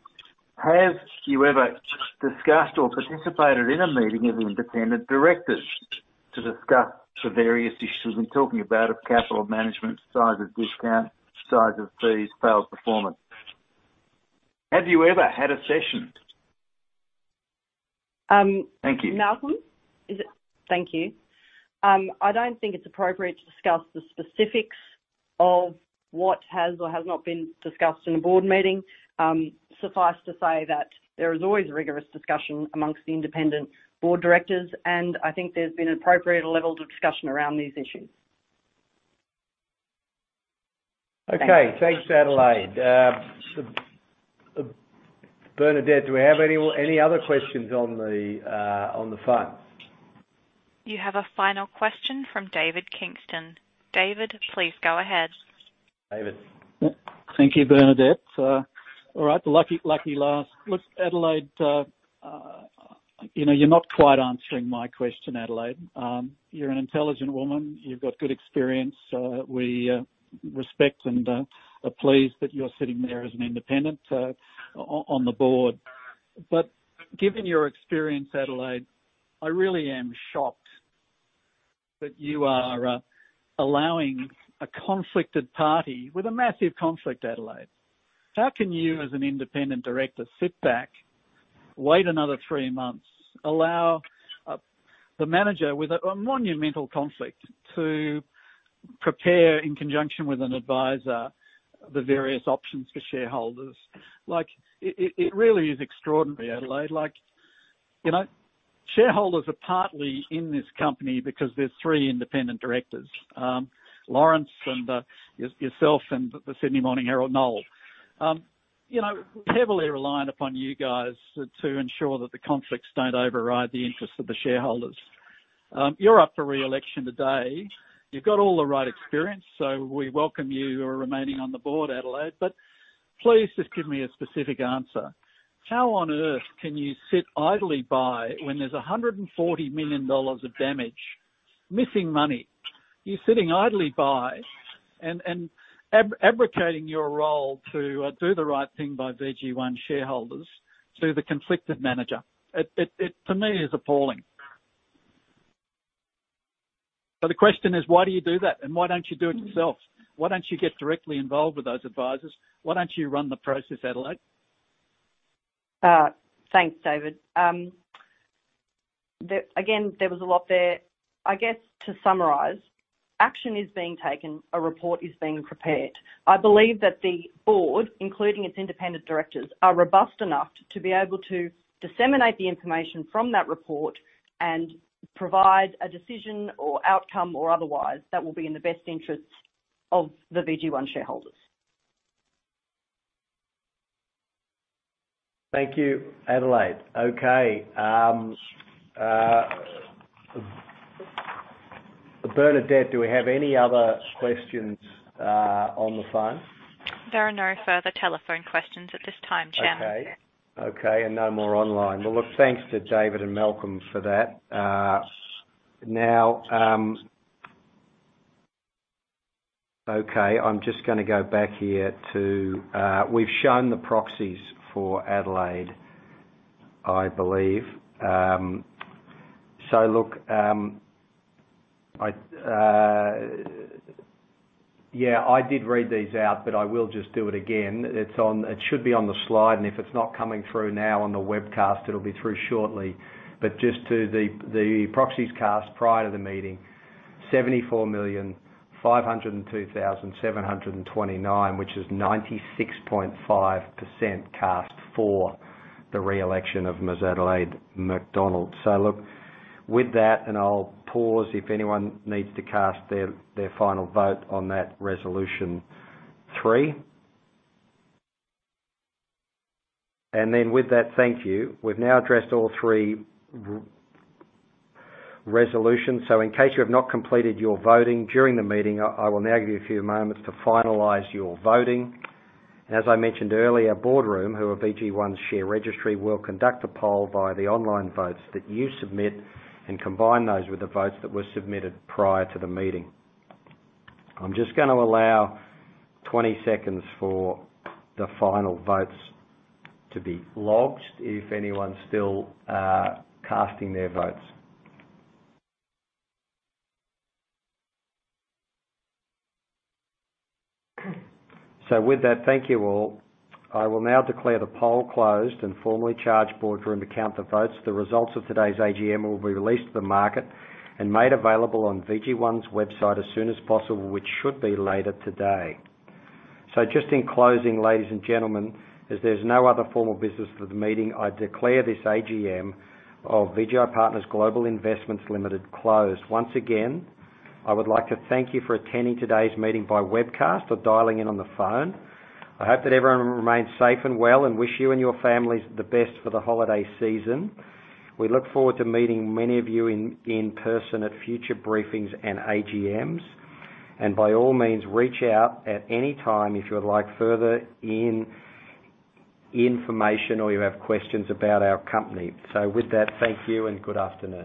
Have you ever discussed or participated in a meeting of independent directors to discuss the various issues I'm talking about of capital management, size of discount, size of fees, sales performance? Have you ever had a session? Um. Thank you. Malcolm, is it? Thank you. I don't think it's appropriate to discuss the specifics of what has or has not been discussed in a board meeting. Suffice to say that there is always rigorous discussion among the independent board directors, and I think there's been appropriate levels of discussion around these issues. Okay. Thanks, Adelaide. Bernadette, do we have any other questions on the phone? You have a final question from David Kingston. David, please go ahead. David. Thank you, Bernadette. All right, the lucky last. Look, Adelaide, you know, you're not quite answering my question, Adelaide. You're an intelligent woman. You've got good experience, so we respect and are pleased that you're sitting there as an independent on the board. Given your experience, Adelaide, I really am shocked that you are allowing a conflicted party with a massive conflict, Adelaide. How can you, as an independent director, sit back, wait another three months, allow the manager with a monumental conflict to prepare in conjunction with an advisor the various options for shareholders. Like, it really is extraordinary, Adelaide. Like, you know, shareholders are partly in this company because there's three independent directors. Lawrence and yourself and Noel. You know, heavily reliant upon you guys to ensure that the conflicts don't override the interests of the shareholders. You're up for re-election today. You've got all the right experience, so we welcome you remaining on the board, Adelaide. Please just give me a specific answer. How on earth can you sit idly by when there's 140 million dollars of damage, missing money? You're sitting idly by and abdicating your role to do the right thing by VG1 shareholders to the conflicted manager. It, to me, is appalling. The question is, why do you do that? Why don't you do it yourself? Why don't you get directly involved with those advisors? Why don't you run the process, Adelaide? Thanks, David. Again, there was a lot there. I guess to summarize, action is being taken, a report is being prepared. I believe that the Board, including its Independent Directors, are robust enough to be able to disseminate the information from that report and provide a decision or outcome or otherwise, that will be in the best interest of the VG1 shareholders. Thank you, Adelaide. Okay. Bernadette, do we have any other questions on the phone? There are no further telephone questions at this time, Chairman. Okay, no more online. Well, look, thanks to David and Malcolm for that. Now, I'm just gonna go back here to, we've shown the proxies for Adelaide, I believe. Look, I did read these out, but I will just do it again. It should be on the slide, and if it's not coming through now on the webcast, it'll be through shortly. But just to the proxies cast prior to the meeting, 74,500,279, which is 96.5% cast for the re-election of Ms. Adelaide McDonald. Look, with that, I'll pause if anyone needs to cast their final vote on that resolution three. With that, thank you. We've now addressed all three resolutions. In case you have not completed your voting during the meeting, I will now give you a few moments to finalize your voting. As I mentioned earlier, Boardroom, who are VG1's share registry, will conduct a poll via the online votes that you submit and combine those with the votes that were submitted prior to the meeting. I'm just gonna allow 20 seconds for the final votes to be logged, if anyone's still casting their votes. With that, thank you all. I will now declare the poll closed and formally charge Boardroom to count the votes. The results of today's AGM will be released to the market and made available on VG1's website as soon as possible, which should be later today. Just in closing, ladies and gentlemen, as there's no other formal business for the meeting, I declare this AGM of VGI Partners Global Investments Limited closed. Once again, I would like to thank you for attending today's meeting by webcast or dialing in on the phone. I hope that everyone remains safe and well and wish you and your families the best for the holiday season. We look forward to meeting many of you in person at future briefings and AGMs. By all means, reach out at any time if you would like further information or you have questions about our company. With that, thank you and good afternoon.